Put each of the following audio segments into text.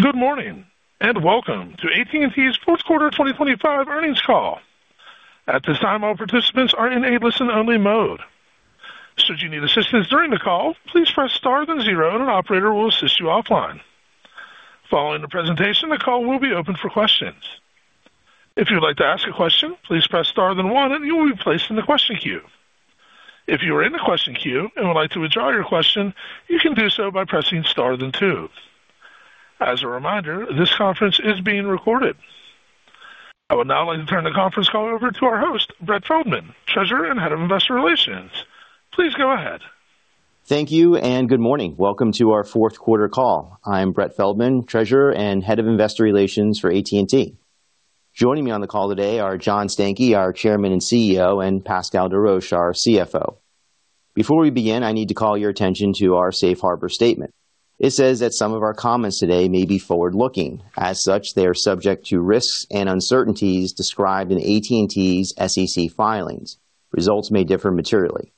Good morning, and welcome to AT&T's fourth quarter 2025 earnings call. At this time, all participants are in a listen-only mode. Should you need assistance during the call, please press star then zero, and an operator will assist you offline. Following the presentation, the call will be open for questions. If you'd like to ask a question, please press star then one, and you will be placed in the question queue. If you are in the question queue and would like to withdraw your question, you can do so by pressing star then two. As a reminder, this conference is being recorded. I would now like to turn the conference call over to our host, Brett Feldman, Treasurer and Head of Investor Relations. Please go ahead. Thank you and good morning. Welcome to our fourth quarter call. I'm Brett Feldman, Treasurer and Head of Investor Relations for AT&T. Joining me on the call today are John Stankey, our Chairman and CEO, and Pascal Desroches, our CFO. Before we begin, I need to call your attention to our safe harbor statement. It says that some of our comments today may be forward-looking. As such, they are subject to risks and uncertainties described in AT&T's SEC filings. Results may differ materially.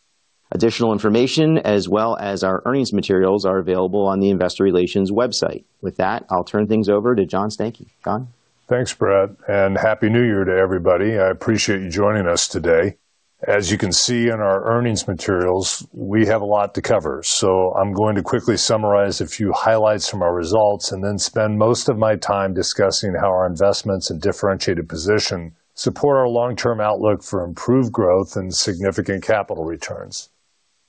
Additional information, as well as our earnings materials, are available on the investor relations website. With that, I'll turn things over to John Stankey. John? Thanks, Brett, and Happy New Year to everybody. I appreciate you joining us today. As you can see in our earnings materials, we have a lot to cover, so I'm going to quickly summarize a few highlights from our results and then spend most of my time discussing how our investments and differentiated position support our long-term outlook for improved growth and significant capital returns.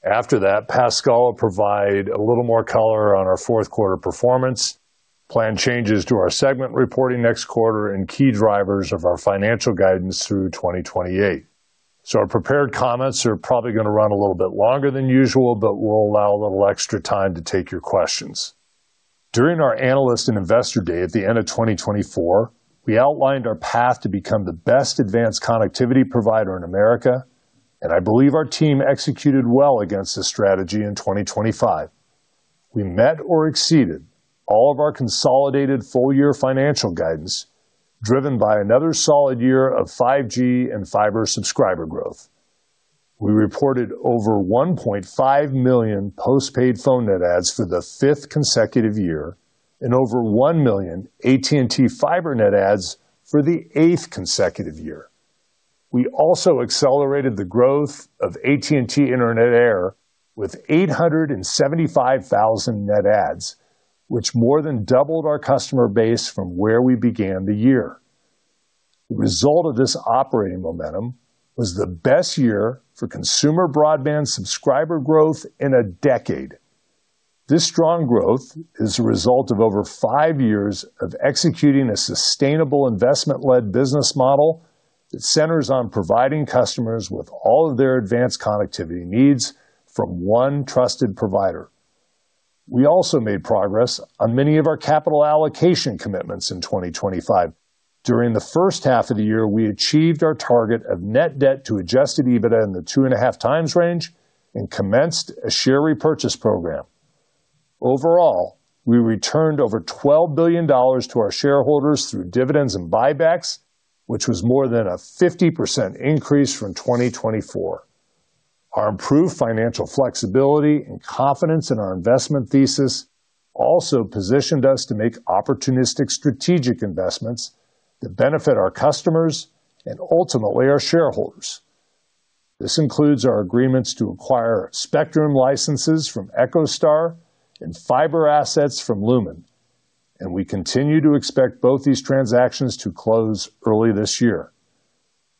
After that, Pascal Desroches will provide a little more color on our fourth quarter performance, plan changes to our segment reporting next quarter, and key drivers of our financial guidance through 2028. So our prepared comments are probably going to run a little bit longer than usual, but we'll allow a little extra time to take your questions. During our Analyst and Investor Day at the end of 2024, we outlined our path to become the best advanced connectivity provider in America, and I believe our team executed well against this strategy in 2025. We met or exceeded all of our consolidated full-year financial guidance, driven by another solid year of 5G and fiber subscriber growth. We reported over 1.5 million postpaid phone net adds for the fifth consecutive year and over 1 million AT&T Fiber net adds for the eighth consecutive year. We also accelerated the growth of AT&T Internet Air with 875,000 net adds, which more than doubled our customer base from where we began the year. The result of this operating momentum was the best year for consumer broadband subscriber growth in a decade. This strong growth is a result of over 5 years of executing a sustainable, investment-led business model that centers on providing customers with all of their advanced connectivity needs from one trusted provider. We also made progress on many of our capital allocation commitments in 2025. During the first half of the year, we achieved our target of net debt to Adjusted EBITDA in the 2.5x range and commenced a share repurchase program. Overall, we returned over $12 billion to our shareholders through dividends and buybacks, which was more than a 50% increase from 2024. Our improved financial flexibility and confidence in our investment thesis also positioned us to make opportunistic strategic investments that benefit our customers and ultimately our shareholders. This includes our agreements to acquire spectrum licenses from EchoStar and fiber assets from Lumen, and we continue to expect both these transactions to close early this year.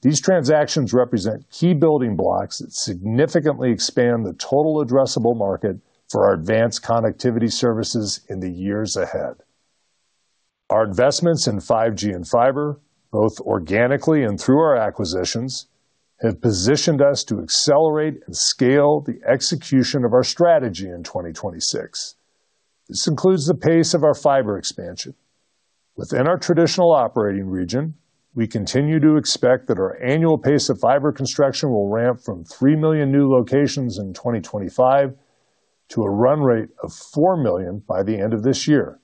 These transactions represent key building blocks that significantly expand the total addressable market for our advanced connectivity services in the years ahead. Our investments in 5G and fiber, both organically and through our acquisitions, have positioned us to accelerate and scale the execution of our strategy in 2026. This includes the pace of our fiber expansion. Within our traditional operating region, we continue to expect that our annual pace of fiber construction will ramp from 3 million new locations in 2025 to a run rate of 4 million by the end of this year.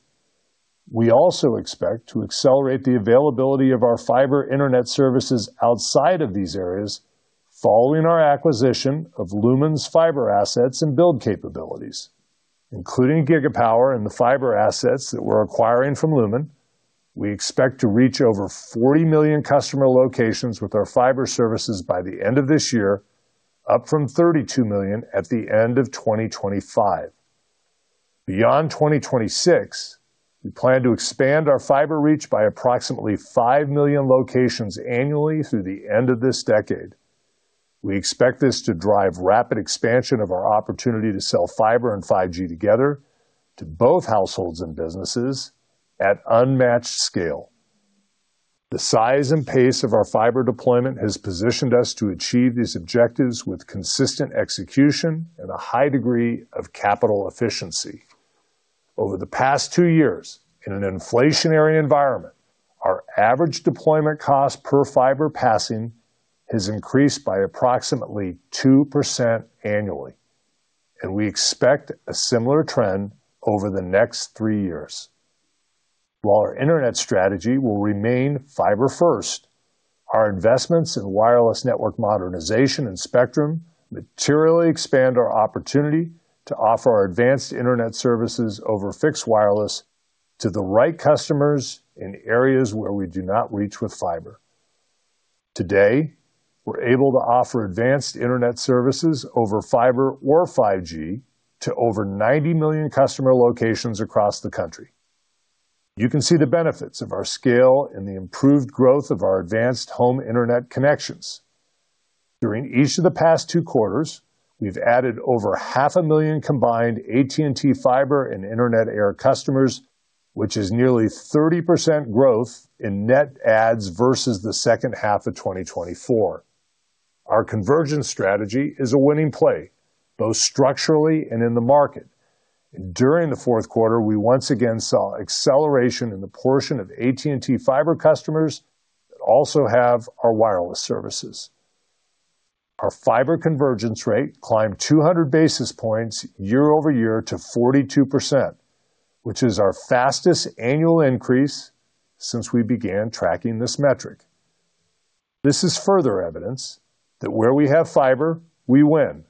We also expect to accelerate the availability of our fiber internet services outside of these areas, following our acquisition of Lumen's fiber assets and build capabilities. Including Gigapower and the fiber assets that we're acquiring from Lumen, we expect to reach over 40 million customer locations with our fiber services by the end of this year, up from 32 million at the end of 2025. Beyond 2026, we plan to expand our fiber reach by approximately 5 million locations annually through the end of this decade. We expect this to drive rapid expansion of our opportunity to sell fiber and 5G together to both households and businesses at unmatched scale. The size and pace of our fiber deployment has positioned us to achieve these objectives with consistent execution and a high degree of capital efficiency. Over the past two years, in an inflationary environment, our average deployment cost per fiber passing has increased by approximately 2% annually, and we expect a similar trend over the next three years. While our internet strategy will remain fiber first... Our investments in wireless network modernization and spectrum materially expand our opportunity to offer our advanced internet services over fixed wireless to the right customers in areas where we do not reach with fiber. Today, we're able to offer advanced internet services over fiber or 5G to over 90 million customer locations across the country. You can see the benefits of our scale and the improved growth of our advanced home internet connections. During each of the past two quarters, we've added over 500,000 combined AT&T Fiber and Internet Air customers, which is nearly 30% growth in net adds versus the second half of 2024. Our convergence strategy is a winning play, both structurally and in the market. During the fourth quarter, we once again saw acceleration in the portion of AT&T Fiber customers that also have our wireless services. Our fiber convergence rate climbed 200 basis points year-over-year to 42%, which is our fastest annual increase since we began tracking this metric. This is further evidence that where we have fiber, we win,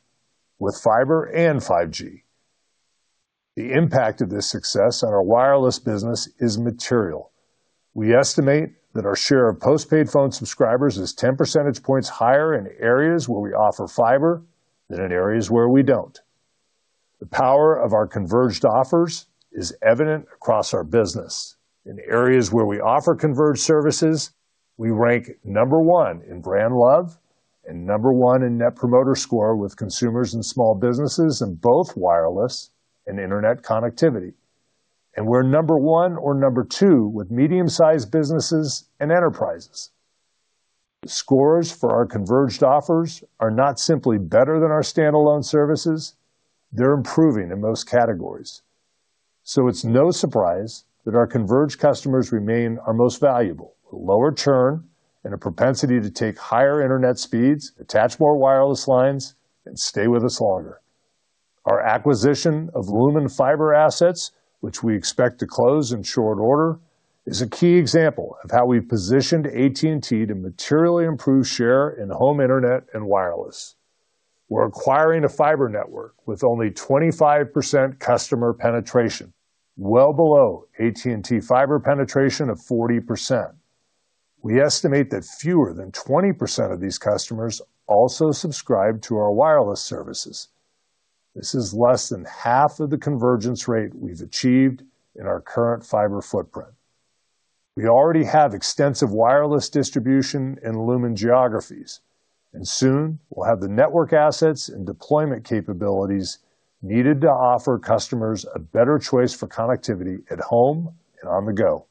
with fiber and 5G. The impact of this success on our wireless business is material. We estimate that our share of postpaid phone subscribers is 10 percentage points higher in areas where we offer fiber than in areas where we don't. The power of our converged offers is evident across our business. In areas where we offer converged services, we rank No. 1 in brand love and No. 1 in Net Promoter Score with consumers and small businesses in both wireless and internet connectivity, and we're No. 1 or No. 2 with medium-sized businesses and enterprises. The scores for our converged offers are not simply better than our standalone services, they're improving in most categories. So it's no surprise that our converged customers remain our most valuable, with lower churn and a propensity to take higher internet speeds, attach more wireless lines, and stay with us longer. Our acquisition of Lumen and fiber assets, which we expect to close in short order, is a key example of how we've positioned AT&T to materially improve share in home, internet, and wireless. We're acquiring a fiber network with only 25% customer penetration, well below AT&T fiber penetration of 40%. We estimate that fewer than 20% of these customers also subscribe to our wireless services. This is less than half of the convergence rate we've achieved in our current fiber footprint. We already have extensive wireless distribution in Lumen geographies, and soon we'll have the network assets and deployment capabilities needed to offer customers a better choice for connectivity at home and on the go.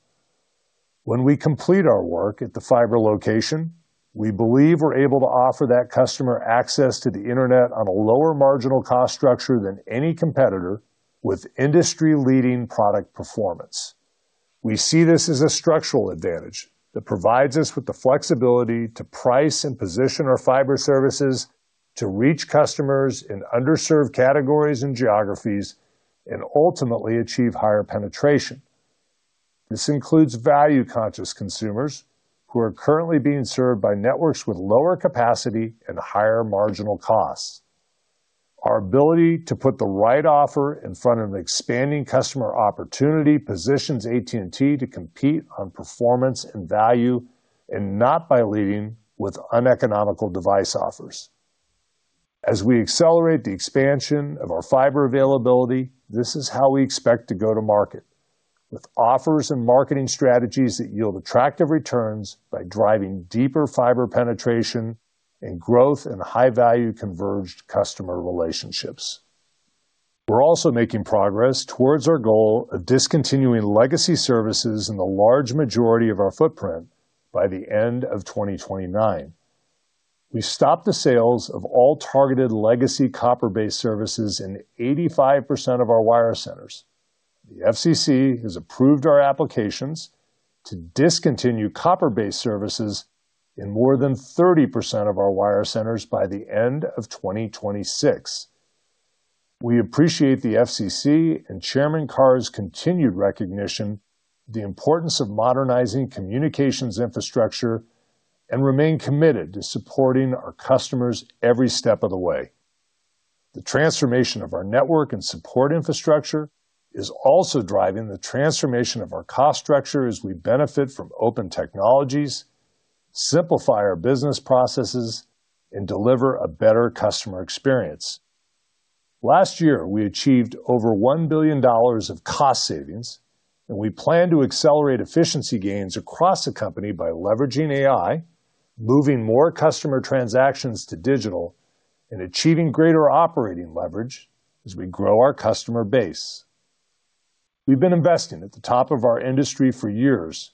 When we complete our work at the fiber location, we believe we're able to offer that customer access to the internet on a lower marginal cost structure than any competitor, with industry-leading product performance. We see this as a structural advantage that provides us with the flexibility to price and position our fiber services to reach customers in underserved categories and geographies, and ultimately achieve higher penetration. This includes value-conscious consumers who are currently being served by networks with lower capacity and higher marginal costs. Our ability to put the right offer in front of an expanding customer opportunity positions AT&T to compete on performance and value, and not by leading with uneconomical device offers. As we accelerate the expansion of our fiber availability, this is how we expect to go to market: with offers and marketing strategies that yield attractive returns by driving deeper fiber penetration and growth in high-value, converged customer relationships. We're also making progress towards our goal of discontinuing legacy services in the large majority of our footprint by the end of 2029. We stopped the sales of all targeted legacy copper-based services in 85% of our wire centers. The FCC has approved our applications to discontinue copper-based services in more than 30% of our wire centers by the end of 2026. We appreciate the FCC and Chairman Carr's continued recognition, the importance of modernizing communications infrastructure, and remain committed to supporting our customers every step of the way. The transformation of our network and support infrastructure is also driving the transformation of our cost structure as we benefit from open technologies, simplify our business processes, and deliver a better customer experience. Last year, we achieved over $1 billion of cost savings, and we plan to accelerate efficiency gains across the company by leveraging AI, moving more customer transactions to digital, and achieving greater operating leverage as we grow our customer base. We've been investing at the top of our industry for years,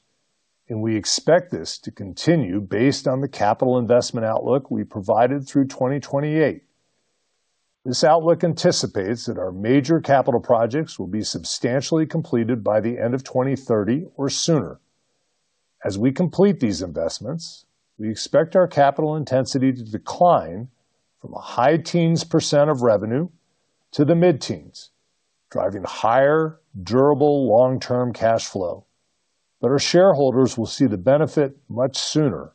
and we expect this to continue based on the capital investment outlook we provided through 2028. This outlook anticipates that our major capital projects will be substantially completed by the end of 2030 or sooner. As we complete these investments, we expect our capital intensity to decline from a high teens% of revenue to the mid-teens%... driving higher, durable, long-term cash flow. But our shareholders will see the benefit much sooner.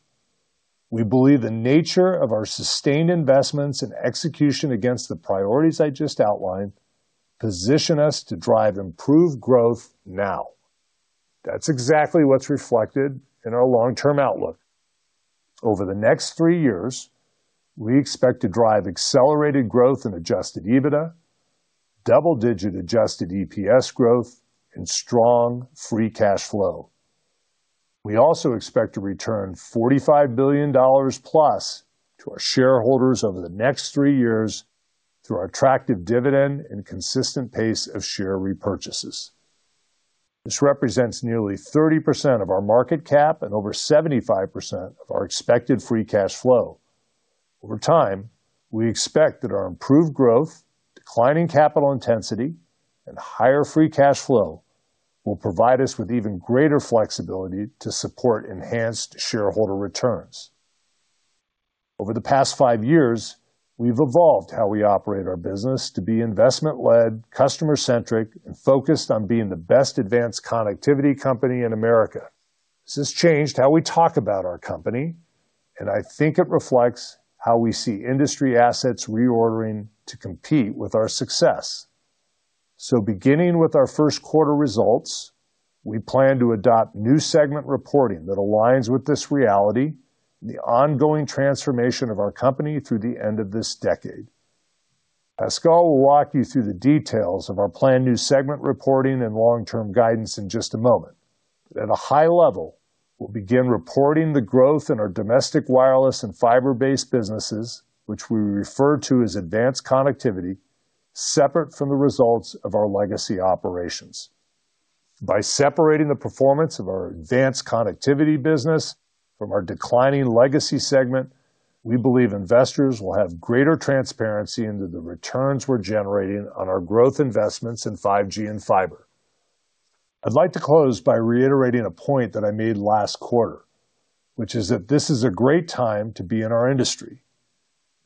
We believe the nature of our sustained investments and execution against the priorities I just outlined, position us to drive improved growth now. That's exactly what's reflected in our long-term outlook. Over the next three years, we expect to drive accelerated growth in Adjusted EBITDA, double-digit Adjusted EPS growth, and strong Free Cash Flow. We also expect to return $45 billion plus to our shareholders over the next 3 years through our attractive dividend and consistent pace of share repurchases. This represents nearly 30% of our market cap and over 75% of our expected free cash flow. Over time, we expect that our improved growth, declining capital intensity, and higher free cash flow will provide us with even greater flexibility to support enhanced shareholder returns. Over the past 5 years, we've evolved how we operate our business to be investment-led, customer-centric, and focused on being the best advanced connectivity company in America. This has changed how we talk about our company, and I think it reflects how we see industry assets reordering to compete with our success. Beginning with our first quarter results, we plan to adopt new segment reporting that aligns with this reality, the ongoing transformation of our company through the end of this decade. Pascal will walk you through the details of our planned new segment reporting and long-term guidance in just a moment. At a high level, we'll begin reporting the growth in our domestic, wireless, and fiber-based businesses, which we refer to as Advanced Connectivity, separate from the results of our Legacy operations. By separating the performance of our Advanced Connectivity business from our declining Legacy segment, we believe investors will have greater transparency into the returns we're generating on our growth investments in 5G and fiber. I'd like to close by reiterating a point that I made last quarter, which is that this is a great time to be in our industry.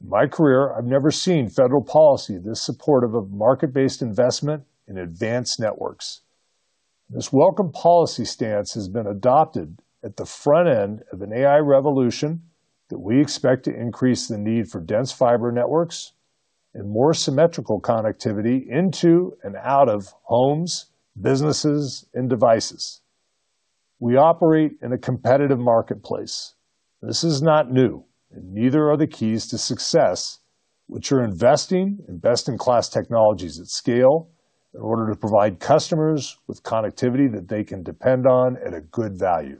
In my career, I've never seen federal policy this supportive of market-based investment in advanced networks. This welcome policy stance has been adopted at the front end of an AI revolution that we expect to increase the need for dense fiber networks and more symmetrical connectivity into and out of homes, businesses, and devices. We operate in a competitive marketplace. This is not new, and neither are the keys to success, which are investing in best-in-class technologies at scale in order to provide customers with connectivity that they can depend on at a good value.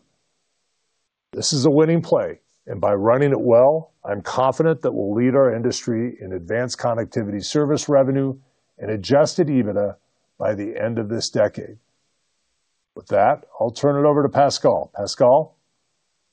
This is a winning play, and by running it well, I'm confident that we'll lead our industry in advanced connectivity service revenue and Adjusted EBITDA by the end of this decade. With that, I'll turn it over to Pascal. Pascal?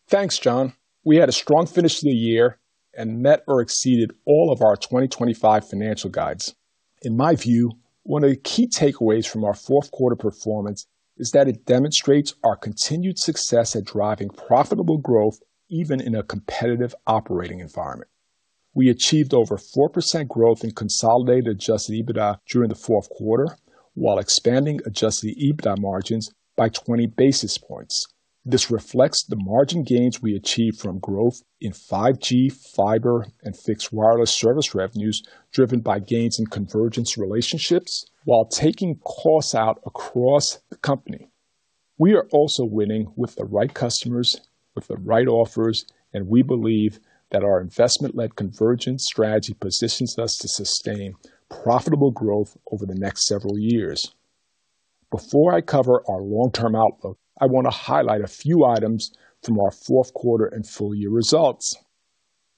Thanks, John. We had a strong finish to the year and met or exceeded all of our 2025 financial guides. In my view, one of the key takeaways from our fourth quarter performance is that it demonstrates our continued success at driving profitable growth, even in a competitive operating environment. We achieved over 4% growth in consolidated Adjusted EBITDA during the fourth quarter, while expanding Adjusted EBITDA margins by 20 basis points. This reflects the margin gains we achieved from growth in 5G, fiber, and fixed wireless service revenues, driven by gains in convergence relationships while taking costs out across the company. We are also winning with the right customers, with the right offers, and we believe that our investment-led convergence strategy positions us to sustain profitable growth over the next several years. Before I cover our long-term outlook, I want to highlight a few items from our fourth quarter and full year results.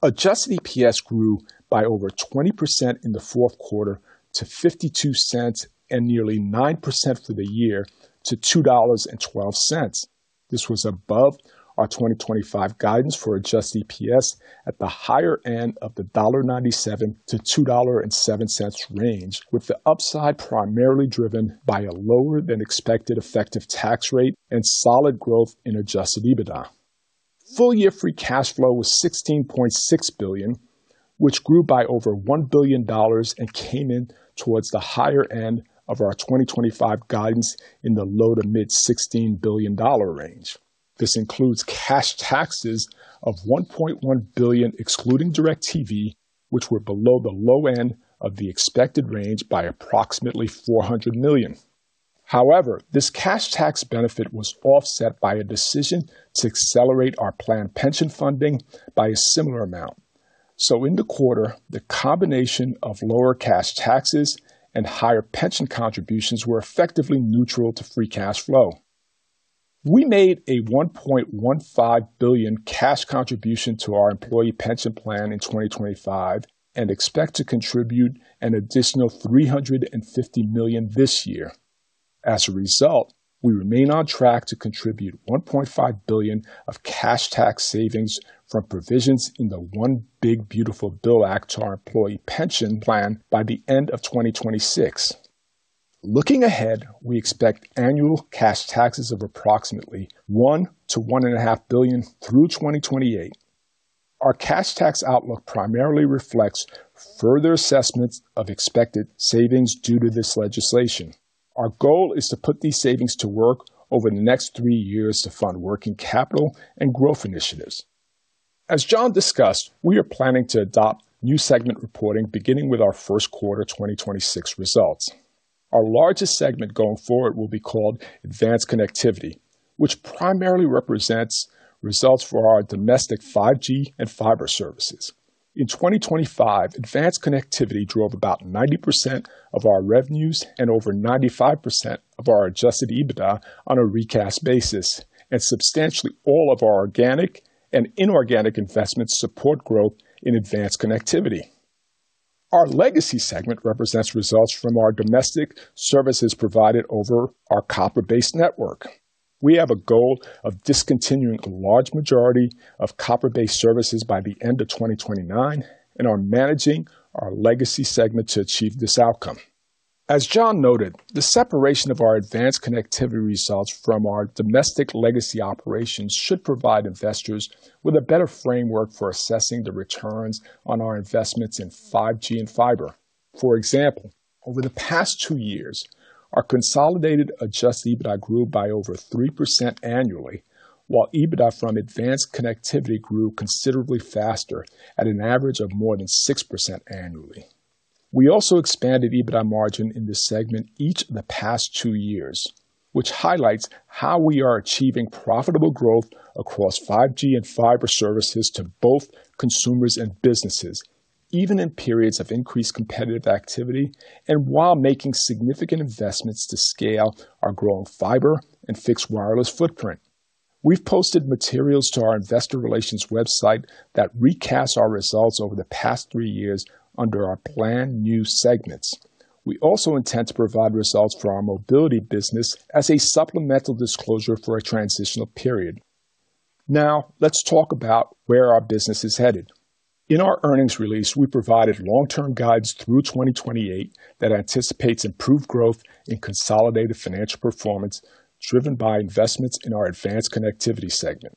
Adjusted EPS grew by over 20% in the fourth quarter to $0.52 and nearly 9% for the year to $2.12. This was above our 2025 guidance for adjusted EPS at the higher end of the $1.97-$2.07 range, with the upside primarily driven by a lower-than-expected effective tax rate and solid growth in adjusted EBITDA. Full year free cash flow was $16.6 billion, which grew by over $1 billion and came in towards the higher end of our 2025 guidance in the low- to mid-$16 billion range. This includes cash taxes of $1.1 billion, excluding DirecTV, which were below the low end of the expected range by approximately $400 million. However, this cash tax benefit was offset by a decision to accelerate our planned pension funding by a similar amount. So in the quarter, the combination of lower cash taxes and higher pension contributions were effectively neutral to free cash flow. We made a $1.15 billion cash contribution to our employee pension plan in 2025 and expect to contribute an additional $350 million this year. As a result, we remain on track to contribute $1.5 billion of cash tax savings from provisions in the One Big Beautiful Bill Act to our employee pension plan by the end of 2026. Looking ahead, we expect annual cash taxes of approximately $1 billion-$1.5 billion through 2028. Our cash tax outlook primarily reflects further assessments of expected savings due to this legislation. Our goal is to put these savings to work over the next three years to fund working capital and growth initiatives. As John discussed, we are planning to adopt new segment reporting beginning with our first quarter 2026 results. Our largest segment going forward will be called Advanced Connectivity, which primarily represents results for our domestic 5G and fiber services. In 2025, Advanced Connectivity drove about 90% of our revenues and over 95% of our adjusted EBITDA on a recast basis, and substantially all of our organic and inorganic investments support growth in Advanced Connectivity. Our Legacy segment represents results from our domestic services provided over our copper-based network. We have a goal of discontinuing a large majority of copper-based services by the end of 2029 and are managing our Legacy segment to achieve this outcome. As John noted, the separation of our Advanced Connectivity results from our domestic Legacy operations should provide investors with a better framework for assessing the returns on our investments in 5G and fiber. For example, over the past two years, our consolidated adjusted EBITDA grew by over 3% annually, while EBITDA from Advanced Connectivity grew considerably faster at an average of more than 6% annually. We also expanded EBITDA margin in this segment each of the past two years, which highlights how we are achieving profitable growth across 5G and fiber services to both consumers and businesses, even in periods of increased competitive activity and while making significant investments to scale our growing fiber and fixed wireless footprint. We've posted materials to our investor relations website that recast our results over the past three years under our planned new segments. We also intend to provide results for our mobility business as a supplemental disclosure for a transitional period. Now, let's talk about where our business is headed. In our earnings release, we provided long-term guidance through 2028 that anticipates improved growth in consolidated financial performance, driven by investments in our Advanced Connectivity segment.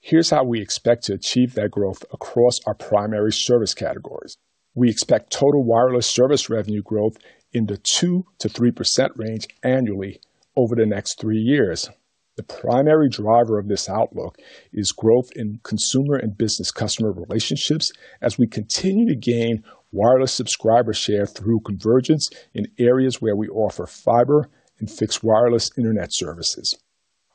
Here's how we expect to achieve that growth across our primary service categories. We expect total wireless service revenue growth in the 2%-3% range annually over the next three years. The primary driver of this outlook is growth in consumer and business customer relationships as we continue to gain wireless subscriber share through convergence in areas where we offer fiber and fixed wireless internet services.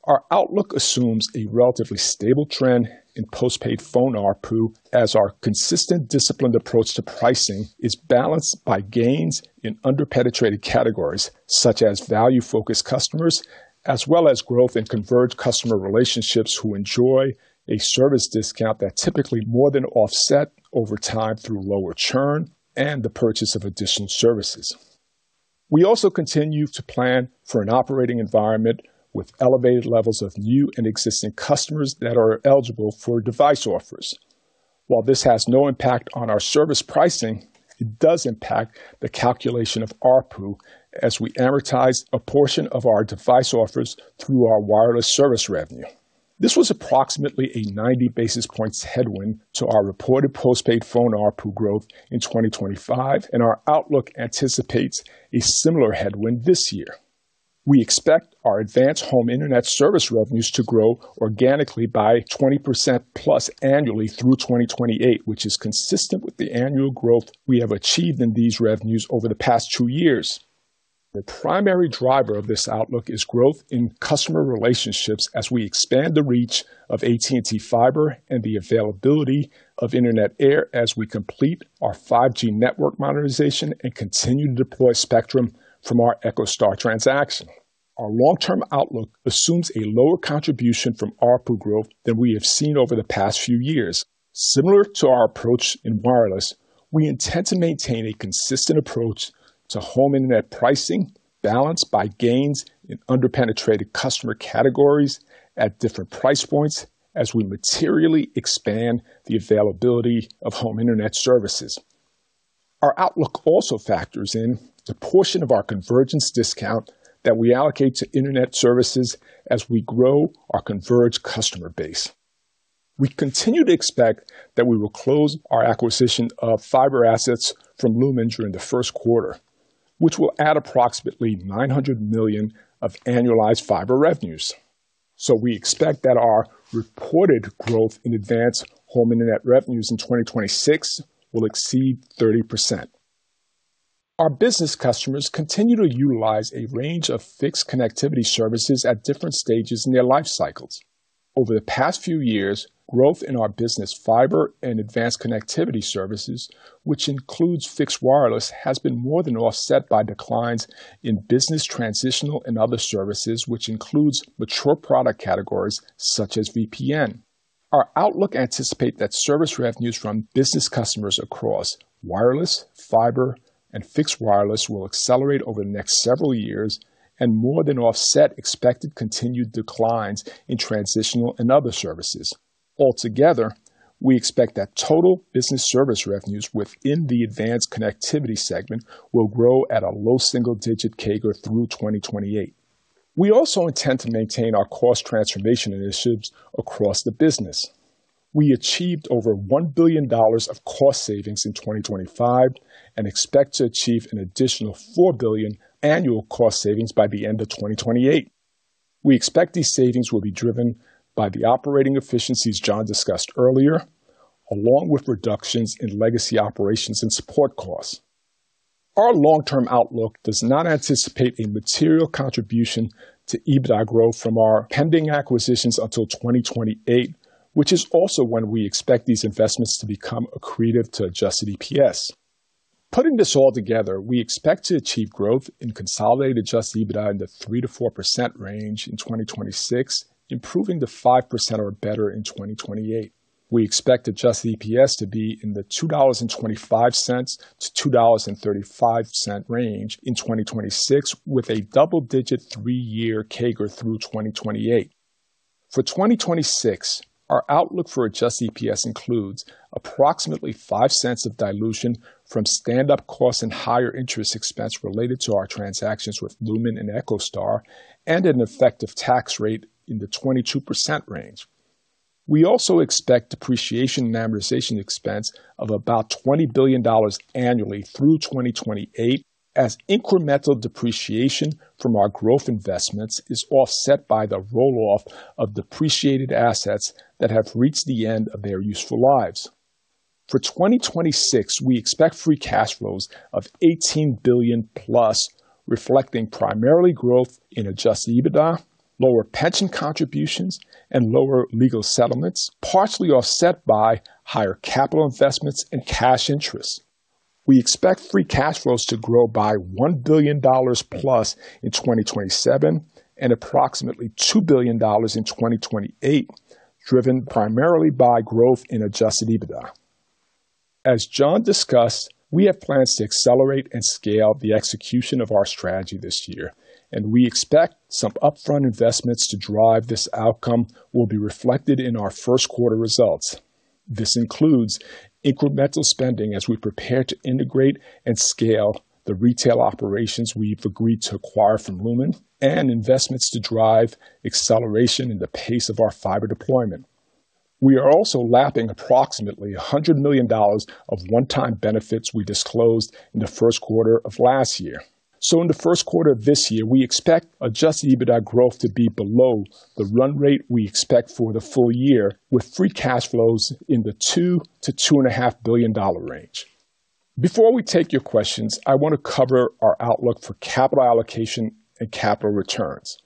Our outlook assumes a relatively stable trend in postpaid phone ARPU, as our consistent, disciplined approach to pricing is balanced by gains in under-penetrated categories such as value-focused customers, as well as growth in converged customer relationships, who enjoy a service discount that typically more than offset over time through lower churn and the purchase of additional services. We also continue to plan for an operating environment with elevated levels of new and existing customers that are eligible for device offers. While this has no impact on our service pricing, it does impact the calculation of ARPU as we amortize a portion of our device offers through our wireless service revenue. This was approximately a 90 basis points headwind to our reported postpaid phone ARPU growth in 2025, and our outlook anticipates a similar headwind this year. We expect our advanced home internet service revenues to grow organically by 20%+ annually through 2028, which is consistent with the annual growth we have achieved in these revenues over the past two years. The primary driver of this outlook is growth in customer relationships as we expand the reach of AT&T Fiber and the availability of Internet Air as we complete our 5G network modernization and continue to deploy spectrum from our EchoStar transaction. Our long-term outlook assumes a lower contribution from ARPU growth than we have seen over the past few years. Similar to our approach in wireless, we intend to maintain a consistent approach to home internet pricing, balanced by gains in under-penetrated customer categories at different price points as we materially expand the availability of home internet services. Our outlook also factors in the portion of our convergence discount that we allocate to internet services as we grow our converged customer base. We continue to expect that we will close our acquisition of fiber assets from Lumen during the first quarter, which will add approximately $900 million of annualized fiber revenues. So we expect that our reported growth in advanced home internet revenues in 2026 will exceed 30%. Our business customers continue to utilize a range of fixed connectivity services at different stages in their life cycles. Over the past few years, growth in our business, fiber and advanced connectivity services, which includes fixed wireless, has been more than offset by declines in business, transitional, and other services, which includes mature product categories such as VPN. Our outlook anticipate that service revenues from business customers across wireless, fiber, and fixed wireless will accelerate over the next several years and more than offset expected continued declines in transitional and other services. Altogether, we expect that total business service revenues within the Advanced Connectivity segment will grow at a low single-digit CAGR through 2028. We also intend to maintain our cost transformation initiatives across the business. We achieved over $1 billion of cost savings in 2025, and expect to achieve an additional $4 billion annual cost savings by the end of 2028. We expect these savings will be driven by the operating efficiencies John discussed earlier, along with reductions in legacy operations and support costs. Our long-term outlook does not anticipate a material contribution to EBITDA growth from our pending acquisitions until 2028, which is also when we expect these investments to become accretive to adjusted EPS. Putting this all together, we expect to achieve growth in consolidated adjusted EBITDA in the 3%-4% range in 2026, improving to 5% or better in 2028. We expect adjusted EPS to be in the $2.25-$2.35 range in 2026, with a double-digit three-year CAGR through 2028. For 2026, our outlook for adjusted EPS includes approximately $0.05 of dilution from standup costs and higher interest expense related to our transactions with Lumen and EchoStar, and an effective tax rate in the 22% range. We also expect depreciation and amortization expense of about $20 billion annually through 2028, as incremental depreciation from our growth investments is offset by the roll-off of depreciated assets that have reached the end of their useful lives. For 2026, we expect free cash flows of $18 billion+, reflecting primarily growth in Adjusted EBITDA, lower pension contributions, and lower legal settlements, partially offset by higher capital investments and cash interest. We expect free cash flows to grow by $1 billion+ in 2027 and approximately $2 billion in 2028, driven primarily by growth in Adjusted EBITDA. As John discussed, we have plans to accelerate and scale the execution of our strategy this year, and we expect some upfront investments to drive this outcome will be reflected in our first quarter results. This includes incremental spending as we prepare to integrate and scale the retail operations we've agreed to acquire from Lumen and investments to drive acceleration in the pace of our fiber deployment. We are also lapping approximately $100 million of one-time benefits we disclosed in the first quarter of last year. So in the first quarter of this year, we expect Adjusted EBITDA growth to be below the run rate we expect for the full year, with free cash flows in the $2 billion-$2.5 billion range. Before we take your questions, I want to cover our outlook for capital allocation and capital returns.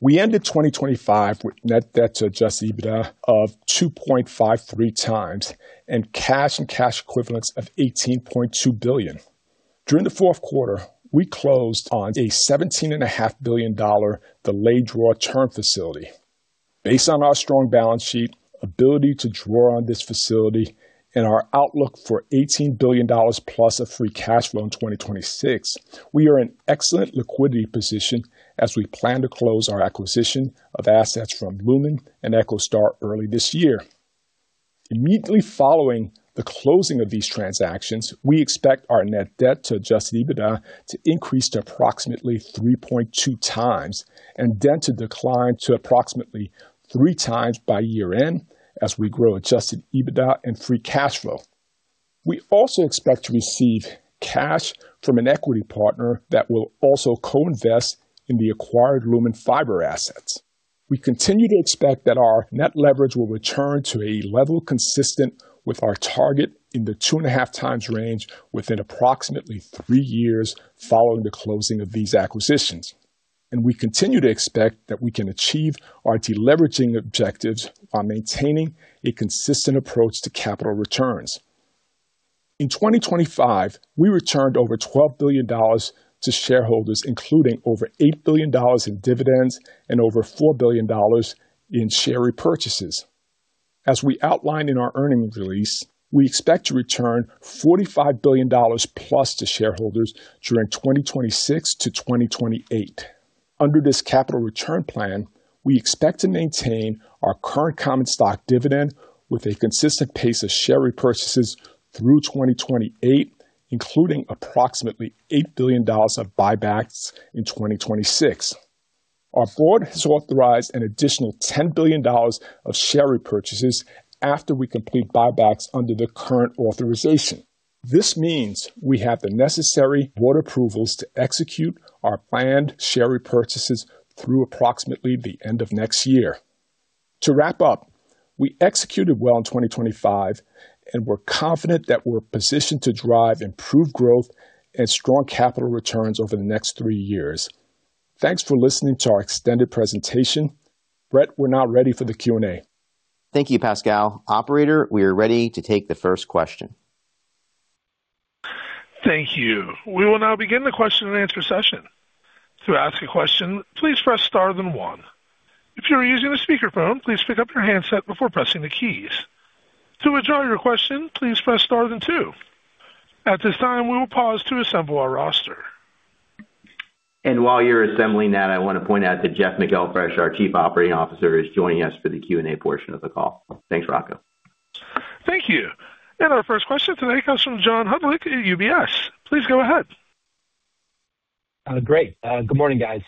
We ended 2025 with Net Debt to Adjusted EBITDA of 2.53x and cash and cash equivalents of $18.2 billion. During the fourth quarter, we closed on a $17.5 billion delayed draw term facility. Based on our strong balance sheet, ability to draw on this facility, and our outlook for $18 billion+ of free cash flow in 2026, we are in excellent liquidity position as we plan to close our acquisition of assets from Lumen and EchoStar early this year. Immediately following the closing of these transactions, we expect our net debt to Adjusted EBITDA to increase to approximately 3.2x and then to decline to approximately 3x by year-end as we grow Adjusted EBITDA and free cash flow. We also expect to receive cash from an equity partner that will also co-invest in the acquired Lumen fiber assets. We continue to expect that our net leverage will return to a level consistent with our target in the 2.5x range within approximately 3 years following the closing of these acquisitions. We continue to expect that we can achieve our deleveraging objectives by maintaining a consistent approach to capital returns. In 2025, we returned over $12 billion to shareholders, including over $8 billion in dividends and over $4 billion in share repurchases. As we outlined in our earnings release, we expect to return $45 billion+ to shareholders during 2026 to 2028. Under this capital return plan, we expect to maintain our current common stock dividend with a consistent pace of share repurchases through 2028, including approximately $8 billion of buybacks in 2026. Our board has authorized an additional $10 billion of share repurchases after we complete buybacks under the current authorization. This means we have the necessary board approvals to execute our planned share repurchases through approximately the end of next year. To wrap up, we executed well in 2025, and we're confident that we're positioned to drive improved growth and strong capital returns over the next 3 years. Thanks for listening to our extended presentation. Brett, we're now ready for the Q&A. Thank you, Pascal. Operator, we are ready to take the first question. Thank you. We will now begin the question and answer session. To ask a question, please press star then one. If you are using a speakerphone, please pick up your handset before pressing the keys. To withdraw your question, please press star then two. At this time, we will pause to assemble our roster. And while you're assembling that, I want to point out that Jeff McElfresh, our Chief Operating Officer, is joining us for the Q&A portion of the call. Thanks, Rocco.... Thank you. And our first question today comes from John Hodulik at UBS. Please go ahead. Great. Good morning, guys.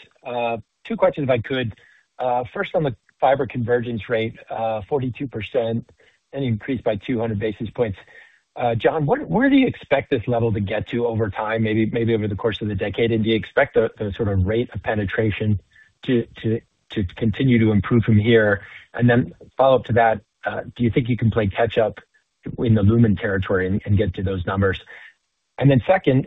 Two questions, if I could. First, on the fiber convergence rate, 42% and increased by 200 basis points. John, where, where do you expect this level to get to over time, maybe, maybe over the course of the decade? And do you expect the sort of rate of penetration to continue to improve from here? And then follow up to that, do you think you can play catch up in the Lumen territory and get to those numbers? And then second,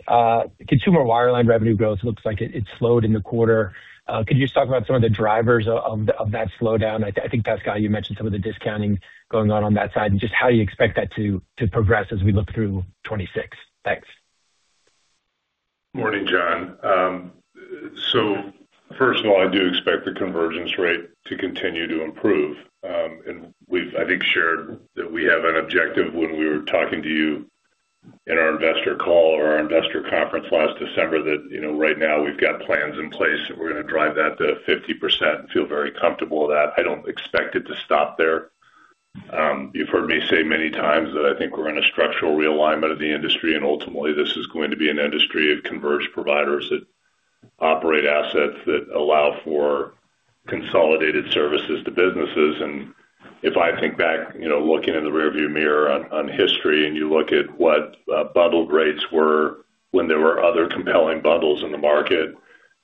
consumer wireline revenue growth looks like it slowed in the quarter. Could you just talk about some of the drivers of that slowdown? I think, Pascal, you mentioned some of the discounting going on that side, and just how you expect that to progress as we look through 2026. Thanks. Morning, John. So first of all, I do expect the convergence rate to continue to improve. And we've, I think, shared that we have an objective when we were talking to you in our investor call or our investor conference last December, that, you know, right now we've got plans in place, and we're gonna drive that to 50% and feel very comfortable with that. I don't expect it to stop there. You've heard me say many times that I think we're in a structural realignment of the industry, and ultimately this is going to be an industry of converged providers that operate assets that allow for consolidated services to businesses. And if I think back, you know, looking in the rearview mirror on history, and you look at what bundled rates were when there were other compelling bundles in the market,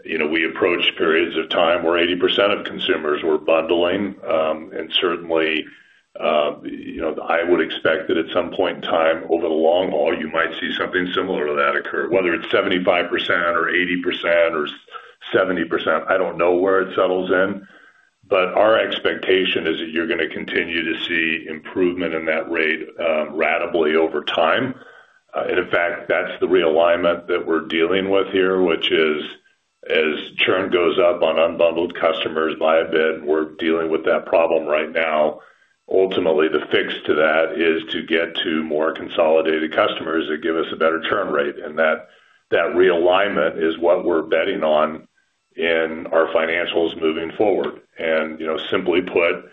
you know, we approached periods of time where 80% of consumers were bundling. And certainly, you know, I would expect that at some point in time, over the long haul, you might see something similar to that occur. Whether it's 75% or 80% or 70%, I don't know where it settles in, but our expectation is that you're gonna continue to see improvement in that rate, ratably over time. And in fact, that's the realignment that we're dealing with here, which is, as churn goes up on unbundled customers by a bit, we're dealing with that problem right now. Ultimately, the fix to that is to get to more consolidated customers that give us a better churn rate, and that realignment is what we're betting on in our financials moving forward. And, you know, simply put,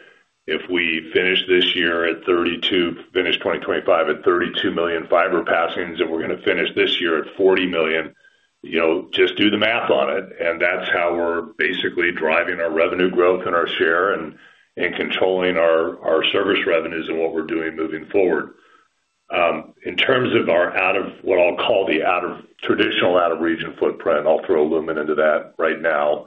if we finish this year at 32, finish 2025 at 32 million fiber passings, and we're gonna finish this year at 40 million, you know, just do the math on it, and that's how we're basically driving our revenue growth and our share and controlling our service revenues and what we're doing moving forward. In terms of our out of what I'll call the out of traditional, out-of-region footprint, I'll throw Lumen into that right now.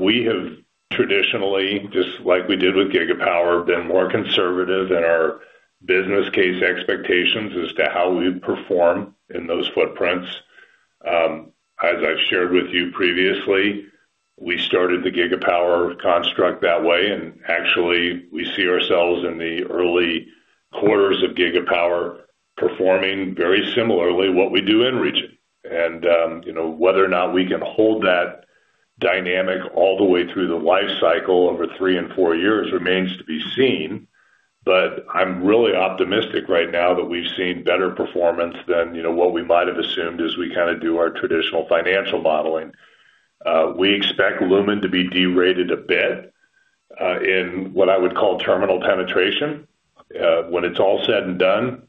We have traditionally, just like we did with Gigapower, been more conservative in our business case expectations as to how we perform in those footprints. As I've shared with you previously, we started the Gigapower construct that way, and actually, we see ourselves in the early quarters of Gigapower, performing very similarly what we do in region. You know, whether or not we can hold that dynamic all the way through the life cycle over 3 and 4 years remains to be seen, but I'm really optimistic right now that we've seen better performance than, you know, what we might have assumed as we kinda do our traditional financial modeling. We expect Lumen to be derated a bit, in what I would call terminal penetration, when it's all said and done,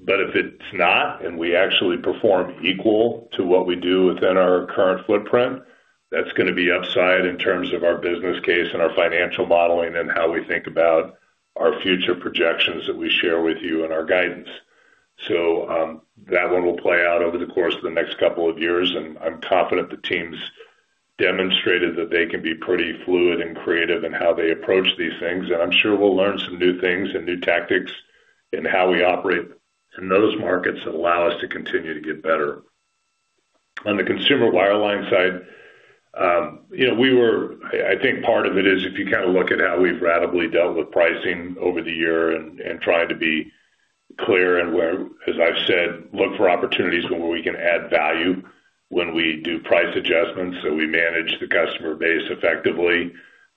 but if it's not, and we actually perform equal to what we do within our current footprint, that's gonna be upside in terms of our business case and our financial modeling and how we think about our future projections that we share with you and our guidance. So, that one will play out over the course of the next couple of years, and I'm confident the team's demonstrated that they can be pretty fluid and creative in how they approach these things. I'm sure we'll learn some new things and new tactics in how we operate in those markets that allow us to continue to get better. On the consumer wireline side, you know, we were. I think part of it is if you kinda look at how we've ratably dealt with pricing over the year and tried to be clear and where, as I've said, look for opportunities where we can add value when we do price adjustments, so we manage the customer base effectively.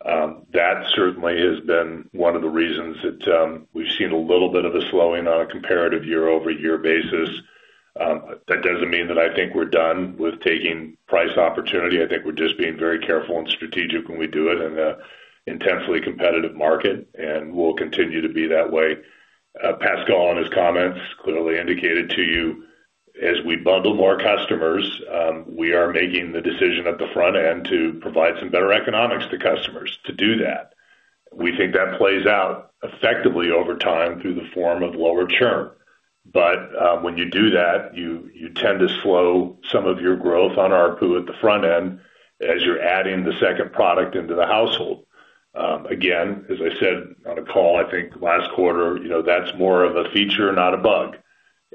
That certainly has been one of the reasons that we've seen a little bit of a slowing on a comparative year-over-year basis. That doesn't mean that I think we're done with taking price opportunity. I think we're just being very careful and strategic when we do it in a intensely competitive market, and we'll continue to be that way. Pascal, on his comments, clearly indicated to you, as we bundle more customers, we are making the decision at the front end to provide some better economics to customers to do that. We think that plays out effectively over time through the form of lower churn. But, when you do that, you, you tend to slow some of your growth on ARPU at the front end as you're adding the second product into the household. Again, as I said, on a call, I think last quarter, you know, that's more of a feature, not a bug,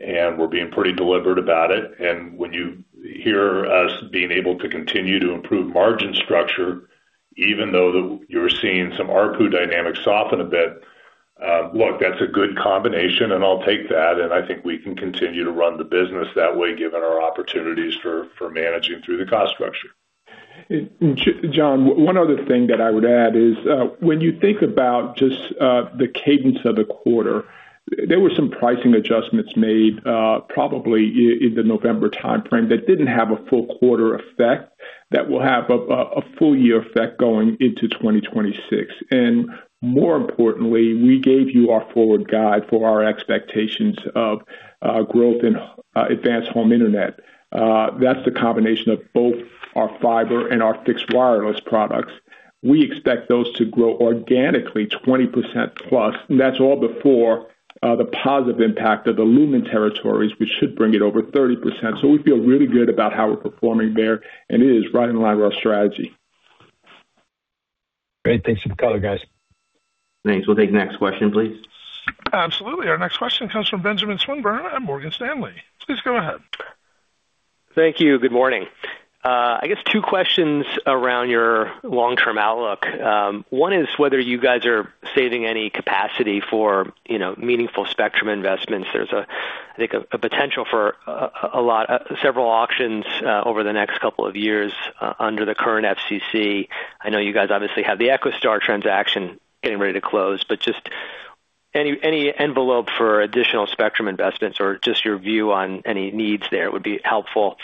and we're being pretty deliberate about it. When you hear us being able to continue to improve margin structure, even though you're seeing some ARPU dynamics soften a bit, look, that's a good combination, and I'll take that, and I think we can continue to run the business that way, given our opportunities for managing through the cost structure.... And John, one other thing that I would add is, when you think about just the cadence of the quarter, there were some pricing adjustments made, probably in the November timeframe that didn't have a full quarter effect, that will have a full year effect going into 2026. And more importantly, we gave you our forward guide for our expectations of growth in advanced home internet. That's the combination of both our fiber and our fixed wireless products. We expect those to grow organically 20%+, and that's all before the positive impact of the Lumen territories, which should bring it over 30%. So we feel really good about how we're performing there, and it is right in line with our strategy. Great. Thanks for the color, guys. Thanks. We'll take the next question, please. Absolutely. Our next question comes from Benjamin Swinburne at Morgan Stanley. Please go ahead. Thank you. Good morning. I guess two questions around your long-term outlook. One is whether you guys are saving any capacity for, you know, meaningful spectrum investments. There's a, I think, potential for a lot, several auctions over the next couple of years under the current FCC. I know you guys obviously have the EchoStar transaction getting ready to close, but just any envelope for additional spectrum investments or just your view on any needs there would be helpful.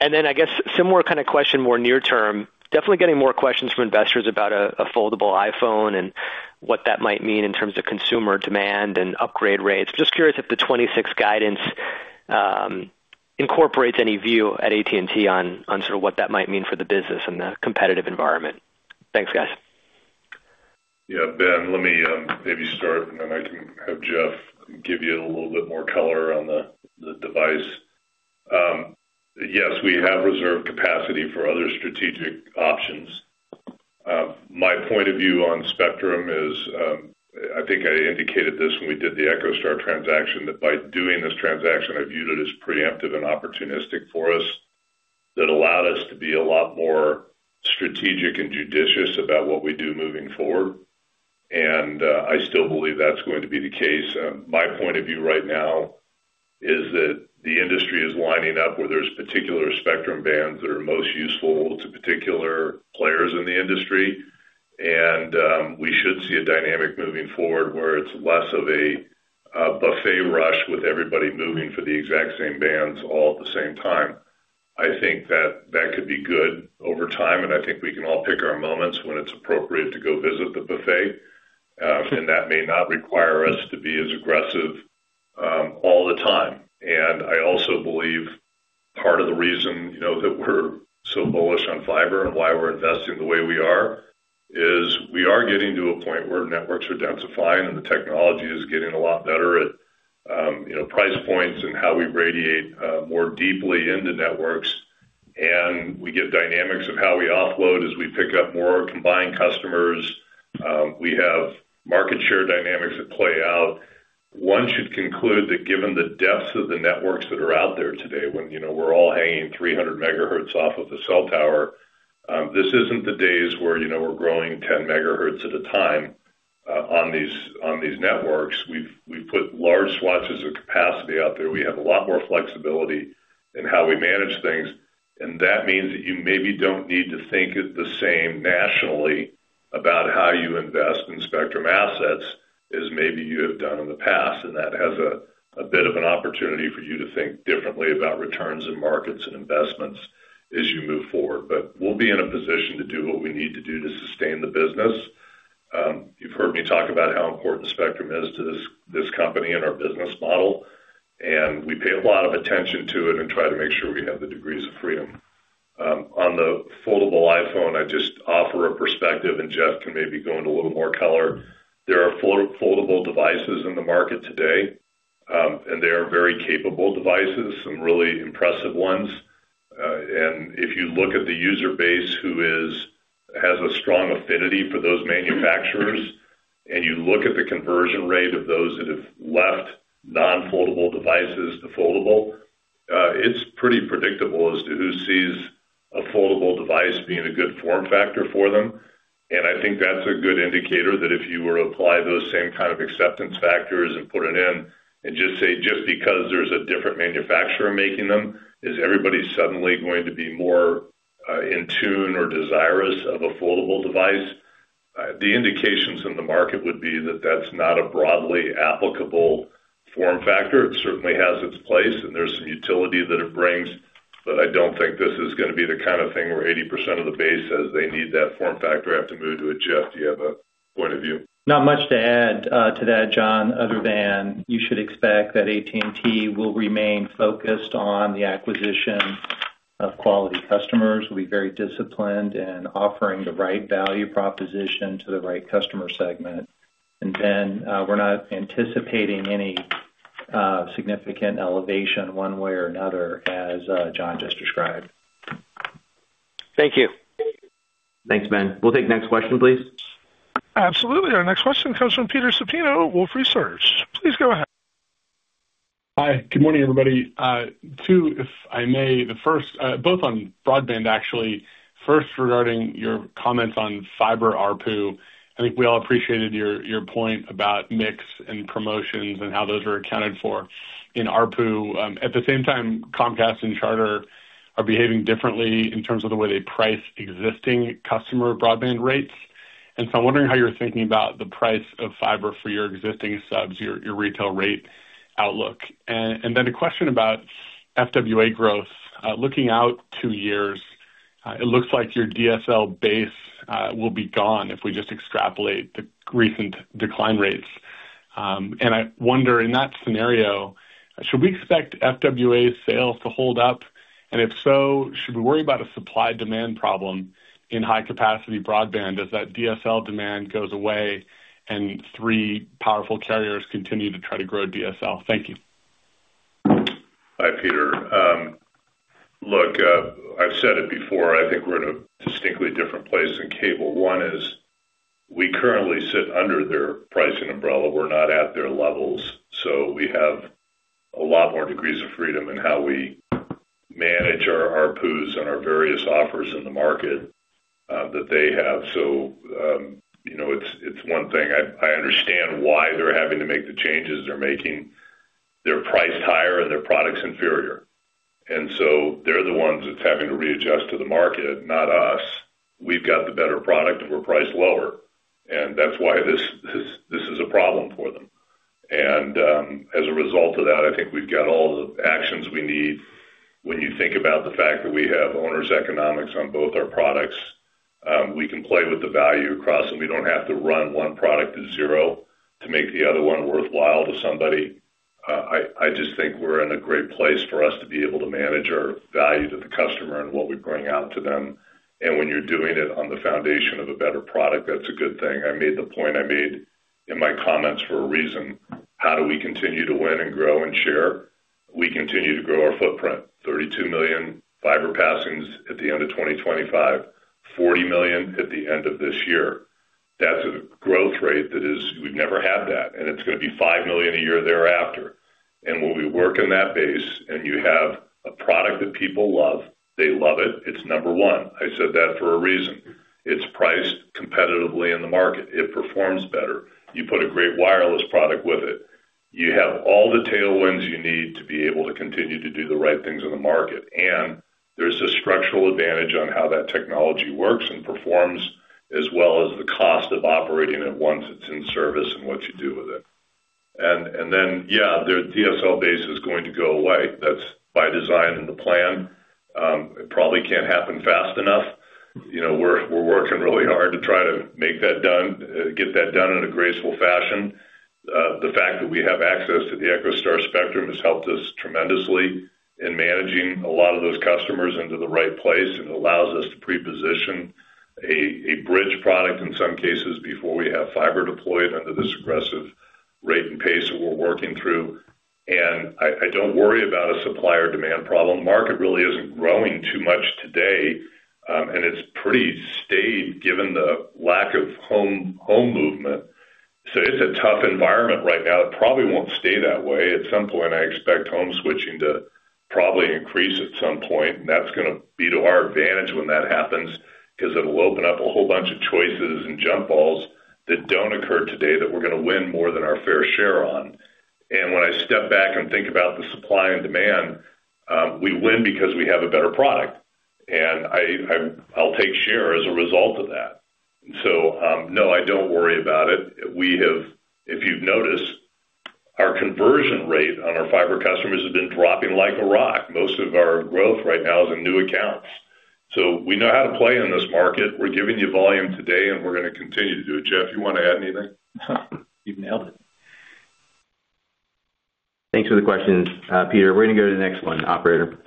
And then I guess similar kind of question, more near term, definitely getting more questions from investors about a foldable iPhone and what that might mean in terms of consumer demand and upgrade rates. Just curious if the 26 guidance incorporates any view at AT&T on, on sort of what that might mean for the business and the competitive environment? Thanks, guys. Yeah, Ben, let me maybe start, and then I can have Jeff give you a little bit more color on the, the device. Yes, we have reserved capacity for other strategic options. My point of view on spectrum is, I think I indicated this when we did the EchoStar transaction, that by doing this transaction, I viewed it as preemptive and opportunistic for us. That allowed us to be a lot more strategic and judicious about what we do moving forward, and I still believe that's going to be the case. My point of view right now is that the industry is lining up where there's particular spectrum bands that are most useful to particular players in the industry, and we should see a dynamic moving forward where it's less of a buffet rush with everybody moving for the exact same bands all at the same time. I think that that could be good over time, and I think we can all pick our moments when it's appropriate to go visit the buffet, and that may not require us to be as aggressive all the time. I also believe part of the reason, you know, that we're so bullish on fiber and why we're investing the way we are is we are getting to a point where networks are densifying and the technology is getting a lot better at, you know, price points and how we radiate more deeply into networks. We get dynamics of how we offload as we pick up more combined customers. We have market share dynamics that play out. One should conclude that given the depths of the networks that are out there today, when, you know, we're all hanging 300 MHz off of the cell tower, this isn't the days where, you know, we're growing 10 MHz at a time on these networks. We've put large swaths of capacity out there. We have a lot more flexibility in how we manage things, and that means that you maybe don't need to think it the same nationally about how you invest in spectrum assets as maybe you have done in the past, and that has a bit of an opportunity for you to think differently about returns and markets and investments as you move forward. But we'll be in a position to do what we need to do to sustain the business. You've heard me talk about how important spectrum is to this company and our business model, and we pay a lot of attention to it and try to make sure we have the degrees of freedom. On the foldable iPhone, I'd just offer a perspective, and Jeff can maybe go into a little more color. There are foldable devices in the market today, and they are very capable devices, some really impressive ones. And if you look at the user base, who has a strong affinity for those manufacturers, and you look at the conversion rate of those that have left non-foldable devices to foldable, it's pretty predictable as to who sees a foldable device being a good form factor for them. And I think that's a good indicator that if you were to apply those same kind of acceptance factors and put it in and just say, just because there's a different manufacturer making them, is everybody suddenly going to be more in tune or desirous of a foldable device? The indications in the market would be that that's not a broadly applicable form factor. It certainly has its place, and there's some utility that it brings, but I don't think this is gonna be the kind of thing where 80% of the base says they need that form factor. I have to move to Jeff. Do you have a point of view? Not much to add to that, John, other than you should expect that AT&T will remain focused on the acquisition of quality customers. We'll be very disciplined in offering the right value proposition to the right customer segment. And then, we're not anticipating any significant elevation one way or another, as John just described. Thank you. Thanks, Ben. We'll take the next question, please. Absolutely. Our next question comes from Peter Supino, Wolfe Research. Please go ahead. Hi, good morning, everybody. Two, if I may, the first, both on broadband, actually. First, regarding your comments on fiber ARPU, I think we all appreciated your point about mix and promotions and how those are accounted for in ARPU. At the same time, Comcast and Charter are behaving differently in terms of the way they price existing customer broadband rates. And so I'm wondering how you're thinking about the price of fiber for your existing subs, your retail rate outlook. And then a question about FWA growth. Looking out 2 years, it looks like your DSL base will be gone if we just extrapolate the recent decline rates. And I wonder, in that scenario, should we expect FWA sales to hold up? If so, should we worry about a supply-demand problem in high-capacity broadband as that DSL demand goes away and three powerful carriers continue to try to grow DSL? Thank you. Hi, Peter. Look, I've said it before, I think we're in a distinctly different place in cable. One is, we currently sit under their pricing umbrella. We're not at their levels, so we have a lot more degrees of freedom in how we manage our ARPUs and our various offers in the market, that they have. So, you know, it's one thing, I understand why they're having to make the changes they're making. They're priced higher and their product's inferior, and so they're the ones that's having to readjust to the market, not us. We've got the better product, and we're priced lower, and that's why this, this, this is a problem for them. And, as a result of that, I think we've got all the actions we need. When you think about the fact that we have owners' economics on both our products, we can play with the value across, and we don't have to run one product to zero to make the other one worthwhile to somebody. I just think we're in a great place for us to be able to manage our value to the customer and what we bring out to them. And when you're doing it on the foundation of a better product, that's a good thing. I made the point I made in my comments for a reason. How do we continue to win and grow and share? We continue to grow our footprint. 32 million fiber passings at the end of 2025, 40 million at the end of this year. That's a growth rate that is... We've never had that, and it's going to be 5 million a year thereafter. And when we work in that base and you have a product that people love, they love it, it's number one. I said that for a reason. It's priced competitively in the market. It performs better. You put a great wireless product with it. You have all the tailwinds you need to be able to continue to do the right things in the market, and there's a structural advantage on how that technology works and performs, as well as the cost of operating it once it's in service and what you do with it. And, and then, yeah, their DSL base is going to go away. That's by design in the plan. It probably can't happen fast enough. You know, we're working really hard to try to make that done, get that done in a graceful fashion. The fact that we have access to the EchoStar spectrum has helped us tremendously in managing a lot of those customers into the right place, and it allows us to pre-position a bridge product, in some cases, before we have fiber deployed under this aggressive rate and pace that we're working through. And I don't worry about a supplier-demand problem. Market really isn't growing too much today, and it's pretty staid given the lack of home movement. So it's a tough environment right now. It probably won't stay that way. At some point, I expect home switching to probably increase at some point, and that's going to be to our advantage when that happens, 'cause it'll open up a whole bunch of choices and jump balls that don't occur today that we're going to win more than our fair share on. And when I step back and think about the supply and demand, we win because we have a better product, and I, I, I'll take share as a result of that. So, no, I don't worry about it. We have, if you've noticed, our conversion rate on our fiber customers has been dropping like a rock. Most of our growth right now is in new accounts. So we know how to play in this market. We're giving you volume today, and we're going to continue to do it. Jeff, you want to add anything? You've nailed it. Thanks for the questions, Peter. We're going to go to the next one, operator.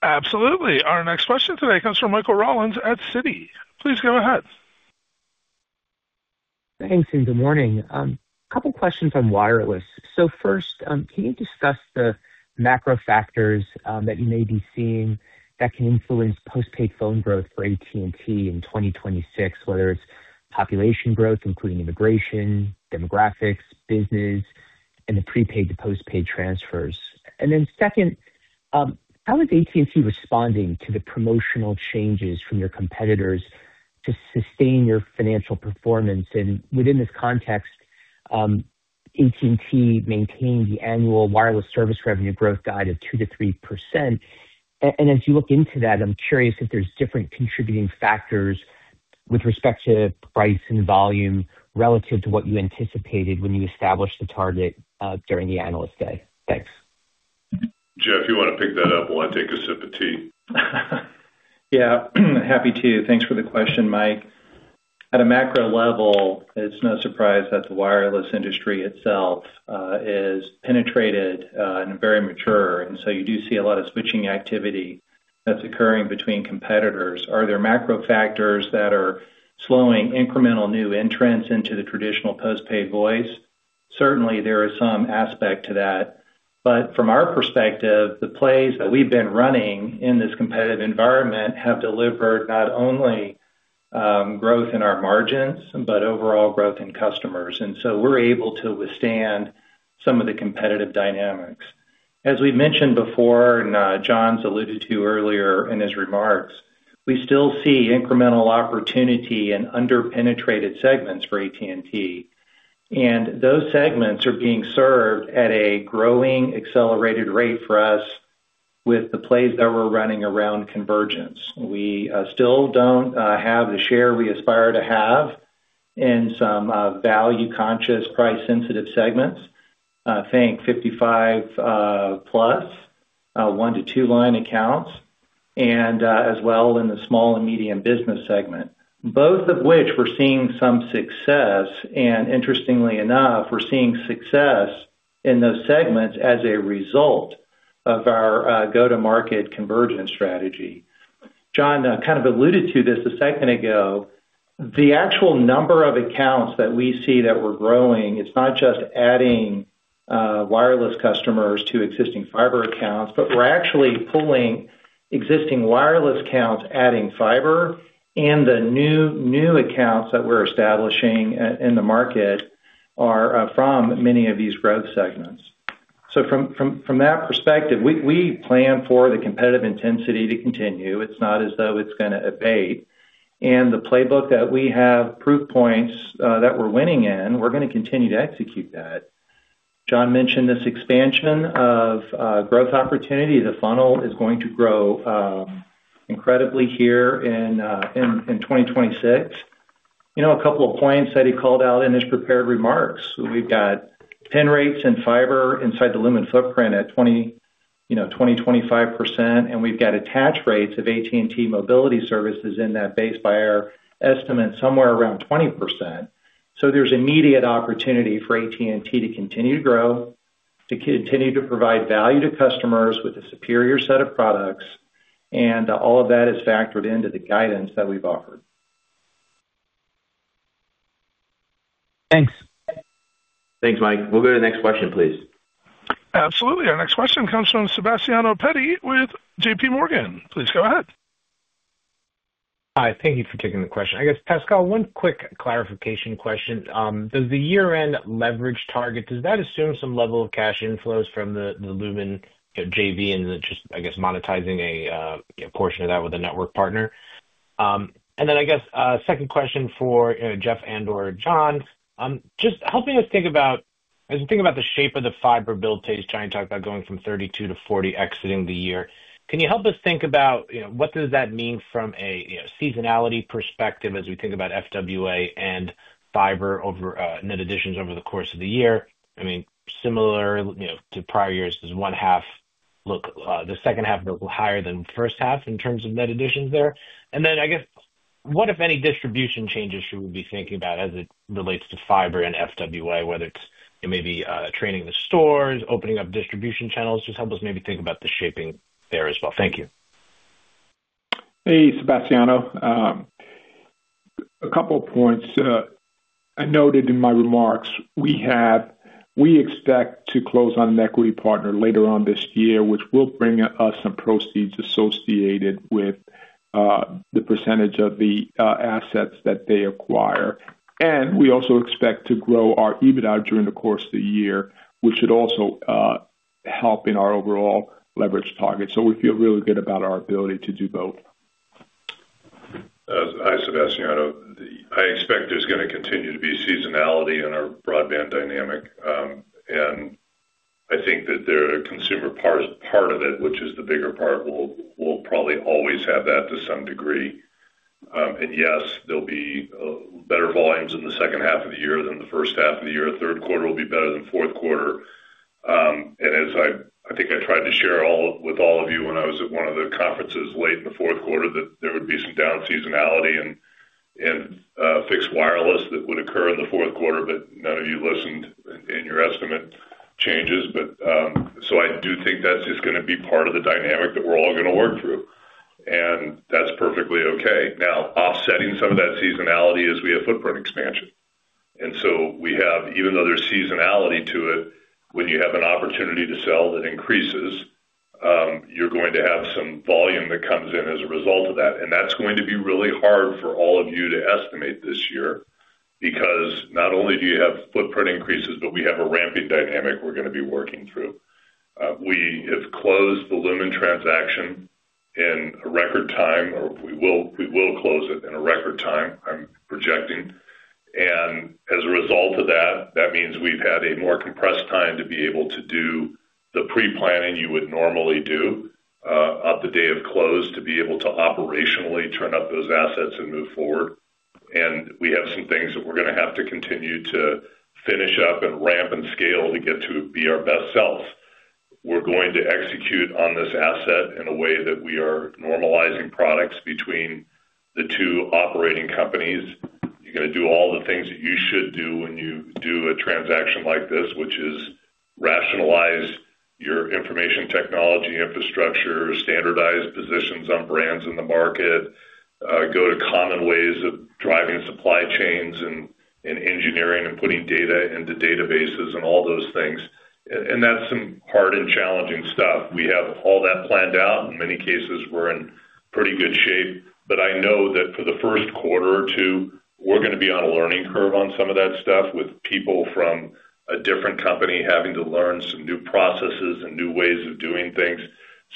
Absolutely. Our next question today comes from Michael Rollins at Citi. Please go ahead. Thanks, and good morning. A couple questions on wireless. So first, can you discuss the macro factors that you may be seeing that can influence postpaid phone growth for AT&T in 2026, whether it's population growth, including immigration, demographics, business, and the prepaid to postpaid transfers? And then second, how is AT&T responding to the promotional changes from your competitors to sustain your financial performance? And within this context, AT&T maintained the annual wireless service revenue growth guide of 2%-3%. And as you look into that, I'm curious if there's different contributing factors with respect to price and volume relative to what you anticipated when you established the target during the Analyst Day. Thanks. Jeff, you want to pick that up while I take a sip of tea? Yeah. Happy to. Thanks for the question, Mike. At a macro level, it's no surprise that the wireless industry itself is penetrated and very mature, and so you do see a lot of switching activity that's occurring between competitors. Are there macro factors that are slowing incremental new entrants into the traditional postpaid voice? Certainly, there is some aspect to that. But from our perspective, the plays that we've been running in this competitive environment have delivered not only- ... growth in our margins, but overall growth in customers, and so we're able to withstand some of the competitive dynamics. As we've mentioned before, and John's alluded to earlier in his remarks, we still see incremental opportunity in under-penetrated segments for AT&T, and those segments are being served at a growing accelerated rate for us with the plays that we're running around convergence. We still don't have the share we aspire to have in some value-conscious, price-sensitive segments. Think 55+ 1-2 line accounts and as well in the small and medium business segment, both of which we're seeing some success, and interestingly enough, we're seeing success in those segments as a result of our go-to-market convergence strategy. John kind of alluded to this a second ago. The actual number of accounts that we see that we're growing, it's not just adding wireless customers to existing fiber accounts, but we're actually pulling existing wireless accounts, adding fiber, and the new accounts that we're establishing in the market are from many of these growth segments. So from that perspective, we plan for the competitive intensity to continue. It's not as though it's gonna abate. And the playbook that we have proof points that we're winning in, we're gonna continue to execute that. John mentioned this expansion of growth opportunity. The funnel is going to grow incredibly here in 2026. You know, a couple of points that he called out in his prepared remarks. We've got pen rates and fiber inside the Lumen footprint at 20, you know, 20%-25%, and we've got attach rates of AT&T mobility services in that base buyer estimate, somewhere around 20%. So there's immediate opportunity for AT&T to continue to grow, to continue to provide value to customers with a superior set of products, and all of that is factored into the guidance that we've offered. Thanks. Thanks, Mike. We'll go to the next question, please. Absolutely. Our next question comes from Sebastiano Petti with JP Morgan. Please go ahead. Hi, thank you for taking the question. I guess, Pascal, one quick clarification question. Does the year-end leverage target, does that assume some level of cash inflows from the Lumen, the JV and just, I guess, monetizing a portion of that with a network partner? And then I guess, second question for Jeff and or John. Just helping us think about, as you think about the shape of the fiber buildout, John, you talked about going from 32 to 40 exiting the year. Can you help us think about, you know, what does that mean from a, you know, seasonality perspective as we think about FWA and fiber over net additions over the course of the year? I mean, similar, you know, to prior years, does one half look, the second half look higher than the first half in terms of net additions there? And then, I guess, what, if any, distribution changes should we be thinking about as it relates to fiber and FWA, whether it's, it may be, training the stores, opening up distribution channels? Just help us maybe think about the shaping there as well. Thank you. Hey, Sebastiano, a couple of points. I noted in my remarks, we expect to close on an equity partner later on this year, which will bring us some proceeds associated with the percentage of the assets that they acquire. And we also expect to grow our EBITDA during the course of the year, which should also help in our overall leverage target. So we feel really good about our ability to do both. Hi, Sebastiano, I expect there's gonna continue to be seasonality in our broadband dynamic, and I think that the consumer part, part of it, which is the bigger part, will, will probably always have that to some degree. And yes, there'll be better volumes in the second half of the year than the first half of the year. Third quarter will be better than fourth quarter. And as I, I think I tried to share all with all of you when I was at one of the conferences late in the fourth quarter, that there would be some down seasonality and, and, fixed wireless that would occur in the fourth quarter, but none of you listened in, in your estimate changes. But, so I do think that's just gonna be part of the dynamic that we're all gonna work through, and that's perfectly okay. Now, offsetting some of that seasonality is we have footprint expansion, and so we have, even though there's seasonality to it, when you have an opportunity to sell that increases, you're going to have some volume that comes in as a result of that. And that's going to be really hard for all of you to estimate this year, because not only do you have footprint increases, but we have a ramping dynamic we're gonna be working through. We have closed the Lumen transaction in a record time, or we will, we will close it in a record time, I'm projecting. As a result of that, that means we've had a more compressed time to be able to do the pre-planning you would normally do up to the day of close, to be able to operationally turn up those assets and move forward. And we have some things that we're gonna have to continue to finish up and ramp and scale to get to be our best selves. We're going to execute on this asset in a way that we are normalizing products between the two operating companies. You're gonna do all the things that you should do when you do a transaction like this, which is rationalize your information technology infrastructure, standardize positions on brands in the market, go to common ways of driving supply chains and engineering and putting data into databases and all those things. And that's some hard and challenging stuff. We have all that planned out. ...In many cases, we're in pretty good shape, but I know that for the first quarter or two, we're going to be on a learning curve on some of that stuff, with people from a different company having to learn some new processes and new ways of doing things.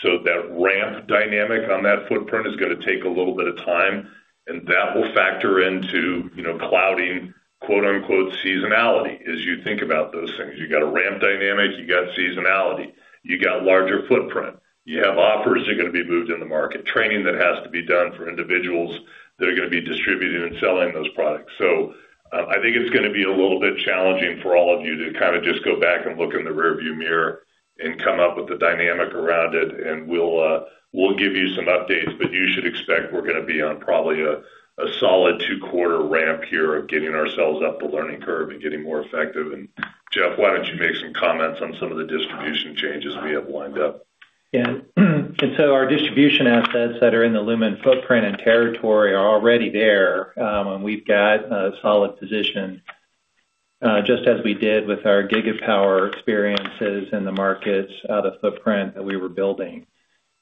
So that ramp dynamic on that footprint is going to take a little bit of time, and that will factor into, you know, clouding, quote-unquote, seasonality. As you think about those things, you got a ramp dynamic, you got seasonality, you got larger footprint, you have offers that are going to be moved in the market, training that has to be done for individuals that are going to be distributing and selling those products. So, I think it's going to be a little bit challenging for all of you to kind of just go back and look in the rearview mirror and come up with a dynamic around it, and we'll give you some updates, but you should expect we're going to be on probably a solid 2-quarter ramp here of getting ourselves up the learning curve and getting more effective. And, Jeff, why don't you make some comments on some of the distribution changes we have lined up? Yeah. And so our distribution assets that are in the Lumen footprint and territory are already there, and we've got a solid position, just as we did with our Gigapower experiences in the markets, the footprint that we were building.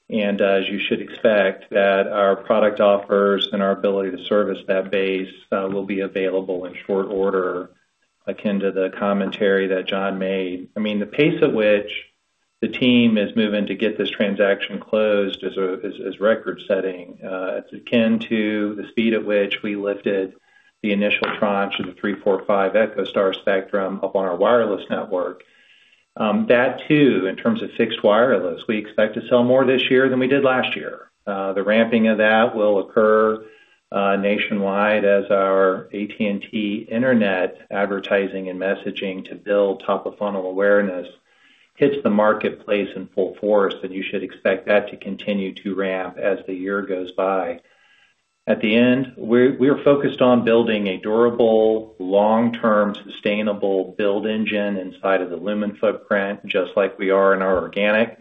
And as you should expect, that our product offers and our ability to service that base will be available in short order, akin to the commentary that John made. I mean, the pace at which the team is moving to get this transaction closed is record-setting, it's akin to the speed at which we lifted the initial tranche of the 3, 4, 5 EchoStar spectrum up on our wireless network. That too, in terms of fixed wireless, we expect to sell more this year than we did last year. The ramping of that will occur nationwide as our AT&T Internet advertising and messaging to build top-of-funnel awareness hits the marketplace in full force, and you should expect that to continue to ramp as the year goes by. At the end, we're focused on building a durable, long-term, sustainable build engine inside of the Lumen footprint, just like we are in our organic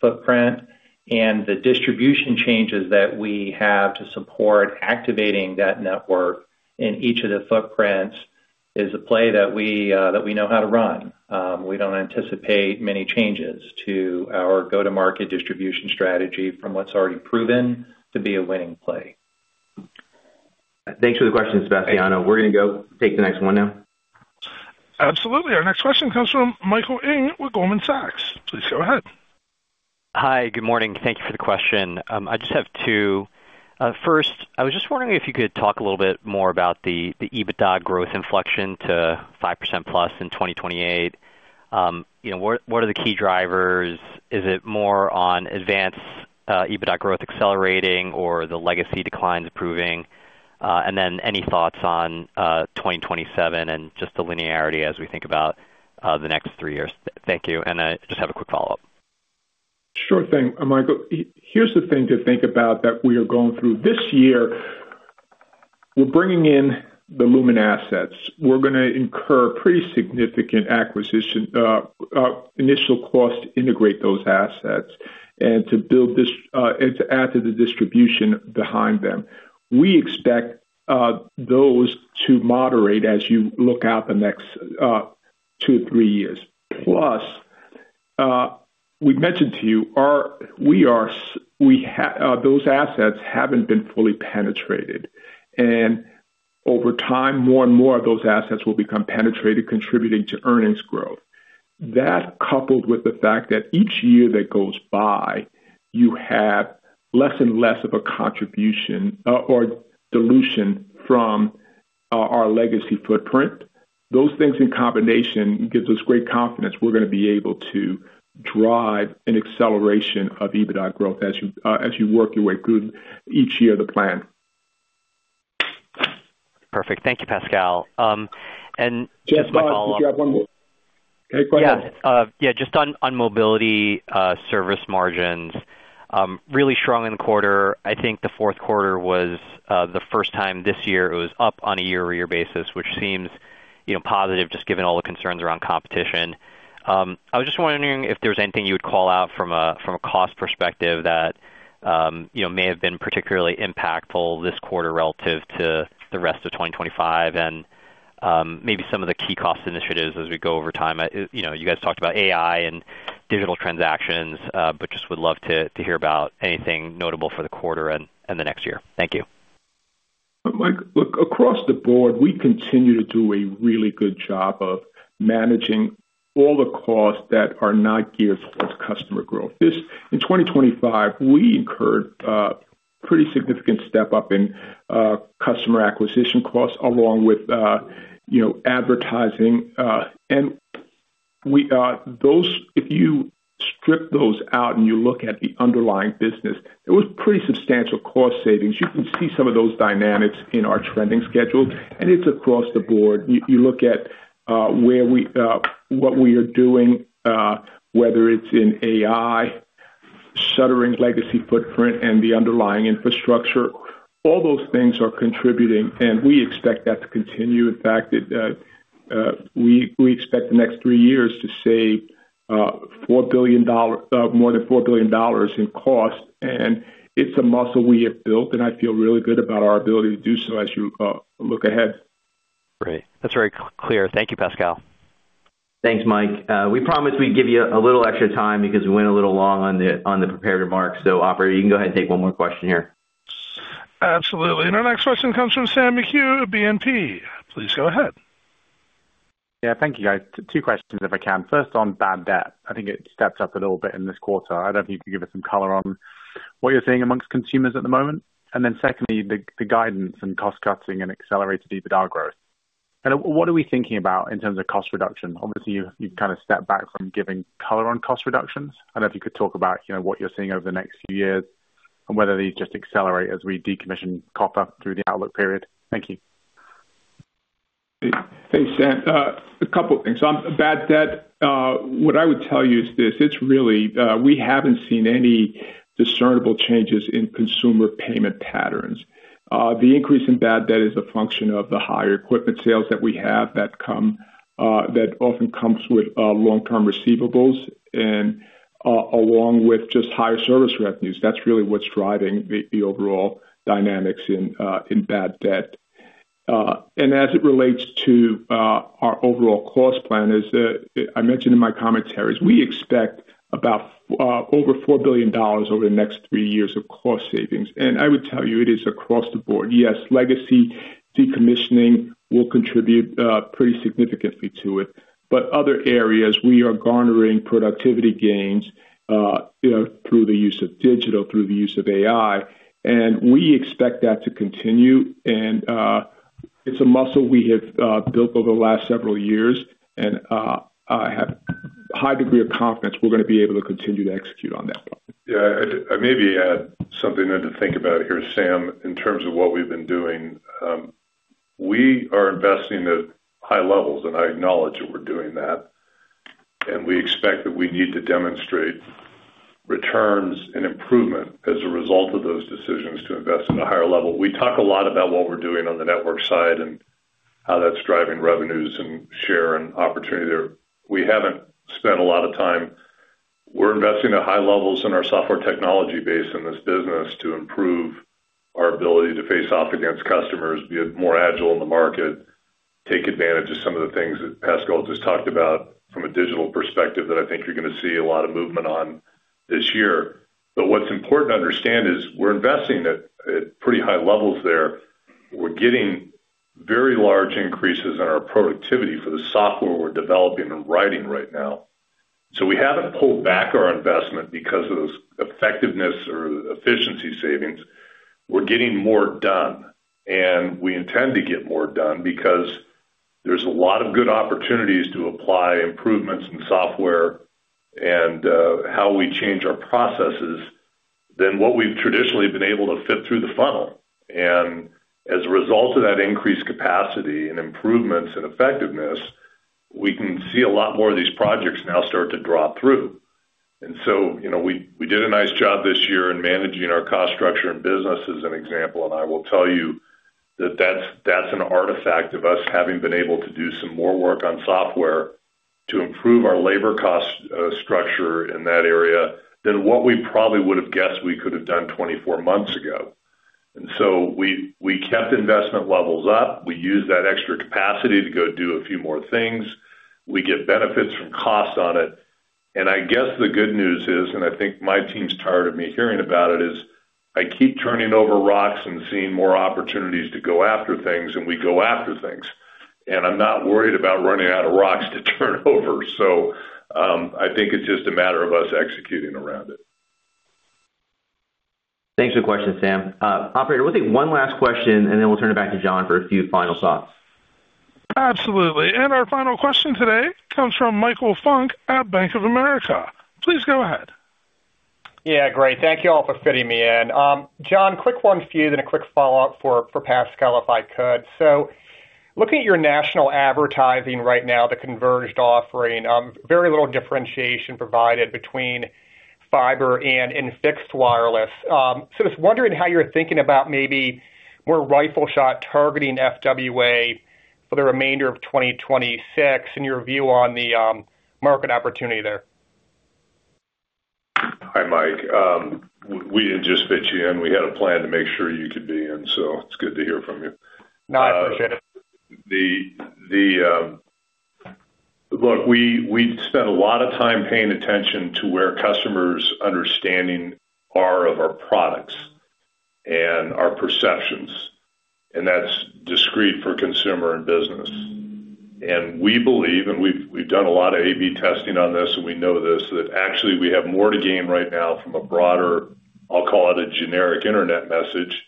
footprint. The distribution changes that we have to support activating that network in each of the footprints is a play that we know how to run. We don't anticipate many changes to our go-to-market distribution strategy from what's already proven to be a winning play. Thanks for the question, Sebastiano. We're going to go take the next one now. Absolutely. Our next question comes from Michael Ng with Goldman Sachs. Please go ahead. Hi, good morning. Thank you for the question. I just have two. First, I was just wondering if you could talk a little bit more about the EBITDA growth inflection to 5%+ in 2028. You know, what are the key drivers? Is it more on advanced EBITDA growth accelerating or the legacy declines improving? And then any thoughts on 2027 and just the linearity as we think about the next three years? Thank you. I just have a quick follow-up. Sure thing, Michael. Here's the thing to think about that we are going through. This year, we're bringing in the Lumen assets. We're gonna incur pretty significant acquisition initial costs to integrate those assets and to build this and to add to the distribution behind them. We expect those to moderate as you look out the next 2-3 years. Plus, we've mentioned to you our. Those assets haven't been fully penetrated, and over time, more and more of those assets will become penetrated, contributing to earnings growth. That, coupled with the fact that each year that goes by, you have less and less of a contribution or dilution from our legacy footprint. Those things in combination gives us great confidence we're going to be able to drive an acceleration of EBITDA growth as you, as you work your way through each year of the plan. Perfect. Thank you, Pascal. Just my follow up- Jeff, did you have one more? Any questions. Yeah. Yeah, just on, on mobility, service margins, really strong in the quarter. I think the fourth quarter was, the first time this year it was up on a year-over-year basis, which seems, you know, positive, just given all the concerns around competition. I was just wondering if there was anything you would call out from a, from a cost perspective that, you know, may have been particularly impactful this quarter relative to the rest of 2025, and, maybe some of the key cost initiatives as we go over time. You know, you guys talked about AI and digital transactions, but just would love to, to hear about anything notable for the quarter and, and the next year. Thank you. Mike, look, across the board, we continue to do a really good job of managing all the costs that are not geared toward customer growth. This, in 2025, we incurred a pretty significant step-up in customer acquisition costs along with, you know, advertising. And those, if you strip those out and you look at the underlying business, it was pretty substantial cost savings. You can see some of those dynamics in our trending schedule, and it's across the board. You look at what we are doing, whether it's in AI, shuttering legacy footprint and the underlying infrastructure, all those things are contributing, and we expect that to continue. In fact, we expect the next three years to save more than $4 billion in cost, and it's a muscle we have built, and I feel really good about our ability to do so as you look ahead. Great. That's very clear. Thank you, Pascal. ... Thanks, Mike. We promised we'd give you a little extra time because we went a little long on the prepared remarks. So, operator, you can go ahead and take one more question here. Absolutely. And our next question comes from Sam McHugh at BNP. Please go ahead. Yeah, thank you, guys. Two questions, if I can. First, on bad debt. I think it stepped up a little bit in this quarter. I don't know if you could give us some color on what you're seeing among consumers at the moment. And then secondly, the guidance and cost cutting and accelerated EBITDA growth. And what are we thinking about in terms of cost reduction? Obviously, you've kind of stepped back from giving color on cost reductions. I don't know if you could talk about, you know, what you're seeing over the next few years and whether these just accelerate as we decommission copper through the outlook period. Thank you. Thanks, Sam. A couple things. On bad debt, what I would tell you is this: it's really, we haven't seen any discernible changes in consumer payment patterns. The increase in bad debt is a function of the higher equipment sales that we have that come, that often comes with, long-term receivables and, along with just higher service revenues. That's really what's driving the, the overall dynamics in, in bad debt. And as it relates to, our overall cost plan, as, I mentioned in my commentary, is we expect about over $4 billion over the next three years of cost savings, and I would tell you, it is across the board. Yes, legacy decommissioning will contribute, pretty significantly to it, but other areas, we are garnering productivity gains, you know, through the use of digital, through the use of AI, and we expect that to continue. And, it's a muscle we have, built over the last several years, and, I have a high degree of confidence we're going to be able to continue to execute on that. Yeah, I'd maybe add something there to think about here, Sam, in terms of what we've been doing. We are investing at high levels, and I acknowledge that we're doing that, and we expect that we need to demonstrate returns and improvement as a result of those decisions to invest at a higher level. We talk a lot about what we're doing on the network side and how that's driving revenues and share and opportunity there. We haven't spent a lot of time. We're investing at high levels in our software technology base in this business to improve our ability to face off against customers, be more agile in the market, take advantage of some of the things that Pascal just talked about from a digital perspective that I think you're going to see a lot of movement on this year. But what's important to understand is we're investing at pretty high levels there. We're getting very large increases in our productivity for the software we're developing and writing right now. So we haven't pulled back our investment because of those effectiveness or efficiency savings. We're getting more done, and we intend to get more done because there's a lot of good opportunities to apply improvements in software and how we change our processes than what we've traditionally been able to fit through the funnel. And as a result of that increased capacity and improvements and effectiveness, we can see a lot more of these projects now start to drop through. So, you know, we did a nice job this year in managing our cost structure and business, as an example, and I will tell you that that's an artifact of us having been able to do some more work on software to improve our labor cost structure in that area than what we probably would have guessed we could have done 24 months ago. So we kept investment levels up. We used that extra capacity to go do a few more things. We get benefits from costs on it. I guess the good news is, and I think my team's tired of me hearing about it, is I keep turning over rocks and seeing more opportunities to go after things, and we go after things. I'm not worried about running out of rocks to turn over. I think it's just a matter of us executing around it. Thanks for the question, Sam. Operator, we'll take one last question, and then we'll turn it back to John for a few final thoughts. Absolutely. Our final question today comes from Michael Funk at Bank of America. Please go ahead. Yeah, great. Thank you all for fitting me in. John, quick one for you, then a quick follow-up for, for Pascal, if I could. So looking at your national advertising right now, the converged offering, very little differentiation provided between fiber and in fixed wireless. So just wondering how you're thinking about maybe more rifle shot targeting FWA for the remainder of 2026 and your view on the, market opportunity there. Hi, Mike. We didn't just fit you in. We had a plan to make sure you could be in, so it's good to hear from you. No, I appreciate it. Look, we spent a lot of time paying attention to where customers' understanding are of our products and our perceptions, and that's discrete for consumer and business. And we believe, and we've done a lot of AB testing on this, and we know this, that actually we have more to gain right now from a broader, I'll call it a generic internet message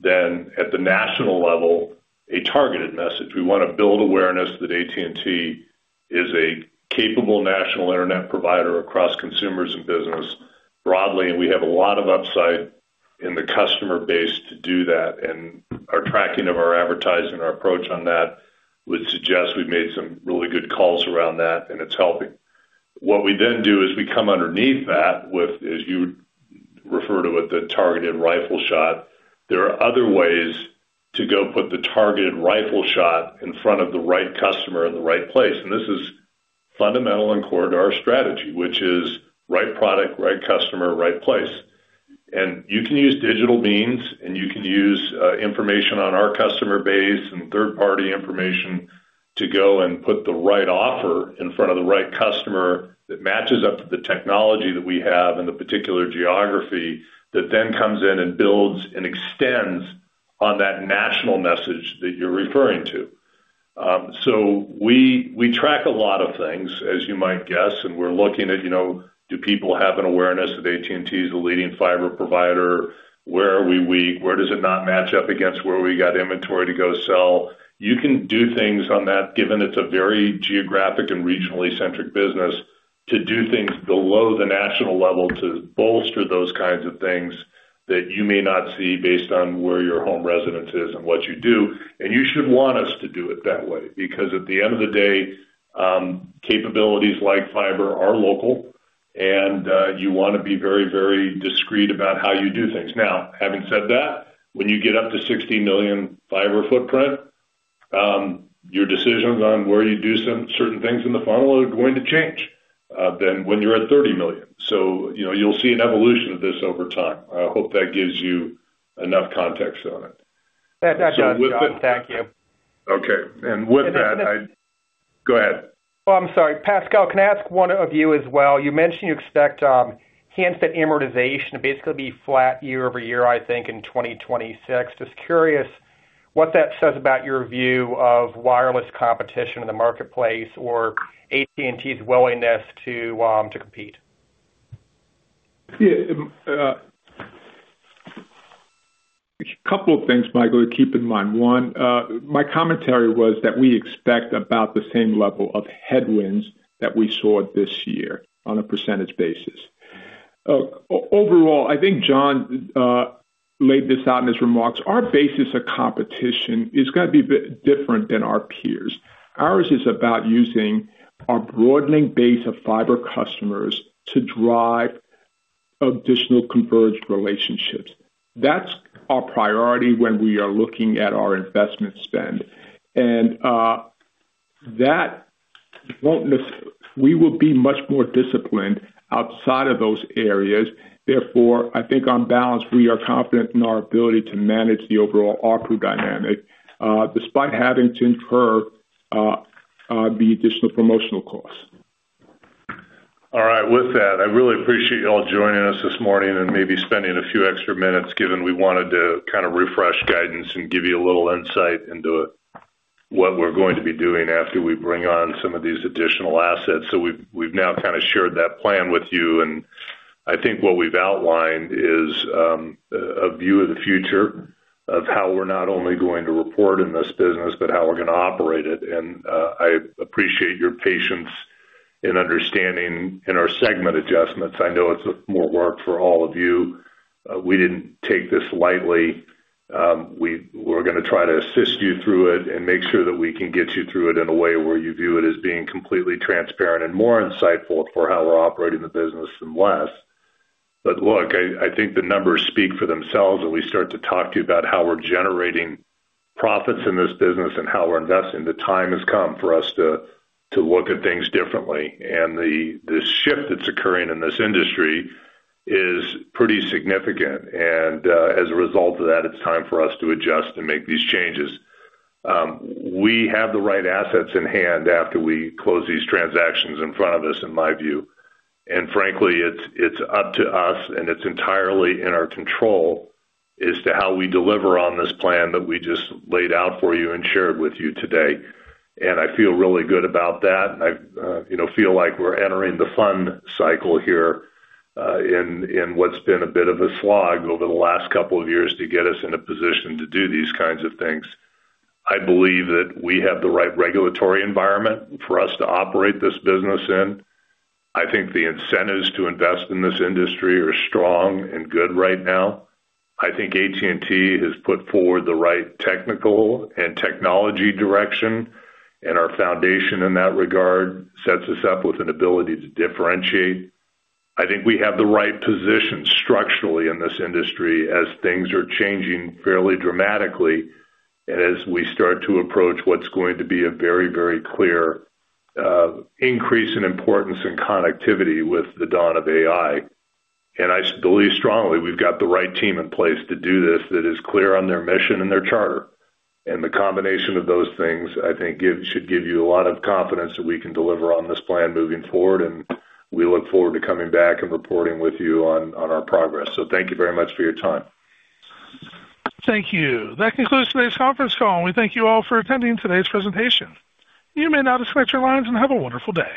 than, at the national level, a targeted message. We want to build awareness that AT&T is a capable national internet provider across consumers and business broadly, and we have a lot of upside in the customer base to do that. And our tracking of our advertising, our approach on that, would suggest we've made some really good calls around that, and it's helping. What we then do is we come underneath that with, as you refer to it, the targeted rifle shot. There are other ways to go put the targeted rifle shot in front of the right customer in the right place, and this is fundamental and core to our strategy, which is right product, right customer, right place, and you can use digital means, and you can use information on our customer base and third-party information to go and put the right offer in front of the right customer that matches up to the technology that we have in the particular geography, that then comes in and builds and extends on that national message that you're referring to. So we track a lot of things, as you might guess, and we're looking at, you know, do people have an awareness that AT&T is the leading fiber provider? Where are we weak? Where does it not match up against where we got inventory to go sell? You can do things on that, given it's a very geographic and regionally centric business, to do things below the national level, to bolster those kinds of things that you may not see based on where your home residence is and what you do. And you should want us to do it that way, because at the end of the day, capabilities like fiber are local, and you wanna be very, very discreet about how you do things. Now, having said that, when you get up to 60 million fiber footprint, your decisions on where you do some certain things in the funnel are going to change than when you're at 30 million. So, you know, you'll see an evolution of this over time. I hope that gives you enough context on it. That, that does, John. Thank you. Okay. And with that, go ahead. Oh, I'm sorry. Pascal, can I ask one of you as well? You mentioned you expect, handset amortization to basically be flat year-over-year, I think, in 2026. Just curious what that says about your view of wireless competition in the marketplace or AT&T's willingness to, to compete. Yeah, a couple of things, Michael, to keep in mind. One, my commentary was that we expect about the same level of headwinds that we saw this year on a percentage basis. Overall, I think John laid this out in his remarks, our basis of competition is gonna be different than our peers. Ours is about using our broadening base of fiber customers to drive additional converged relationships. That's our priority when we are looking at our investment spend. And, that won't we will be much more disciplined outside of those areas. Therefore, I think on balance, we are confident in our ability to manage the overall ARPU dynamic, despite having to incur the additional promotional costs. All right. With that, I really appreciate you all joining us this morning and maybe spending a few extra minutes, given we wanted to kind of refresh guidance and give you a little insight into what we're going to be doing after we bring on some of these additional assets. So we've now kind of shared that plan with you, and I think what we've outlined is a view of the future of how we're not only going to report in this business, but how we're going to operate it. And I appreciate your patience in understanding our segment adjustments. I know it's more work for all of you. We didn't take this lightly. We're gonna try to assist you through it and make sure that we can get you through it in a way where you view it as being completely transparent and more insightful for how we're operating the business than less. But look, I think the numbers speak for themselves, and we start to talk to you about how we're generating profits in this business and how we're investing. The time has come for us to look at things differently, and the shift that's occurring in this industry is pretty significant. As a result of that, it's time for us to adjust and make these changes. We have the right assets in hand after we close these transactions in front of us, in my view. And frankly, it's, it's up to us, and it's entirely in our control as to how we deliver on this plan that we just laid out for you and shared with you today. And I feel really good about that. I, you know, feel like we're entering the fun cycle here, in what's been a bit of a slog over the last couple of years to get us in a position to do these kinds of things. I believe that we have the right regulatory environment for us to operate this business in. I think the incentives to invest in this industry are strong and good right now. I think AT&T has put forward the right technical and technology direction, and our foundation in that regard sets us up with an ability to differentiate. I think we have the right position structurally in this industry as things are changing fairly dramatically, and as we start to approach what's going to be a very, very clear increase in importance in connectivity with the dawn of AI. I believe strongly we've got the right team in place to do this, that is clear on their mission and their charter. The combination of those things, I think, should give you a lot of confidence that we can deliver on this plan moving forward, and we look forward to coming back and reporting with you on our progress. Thank you very much for your time. Thank you. That concludes today's conference call, and we thank you all for attending today's presentation. You may now disconnect your lines and have a wonderful day.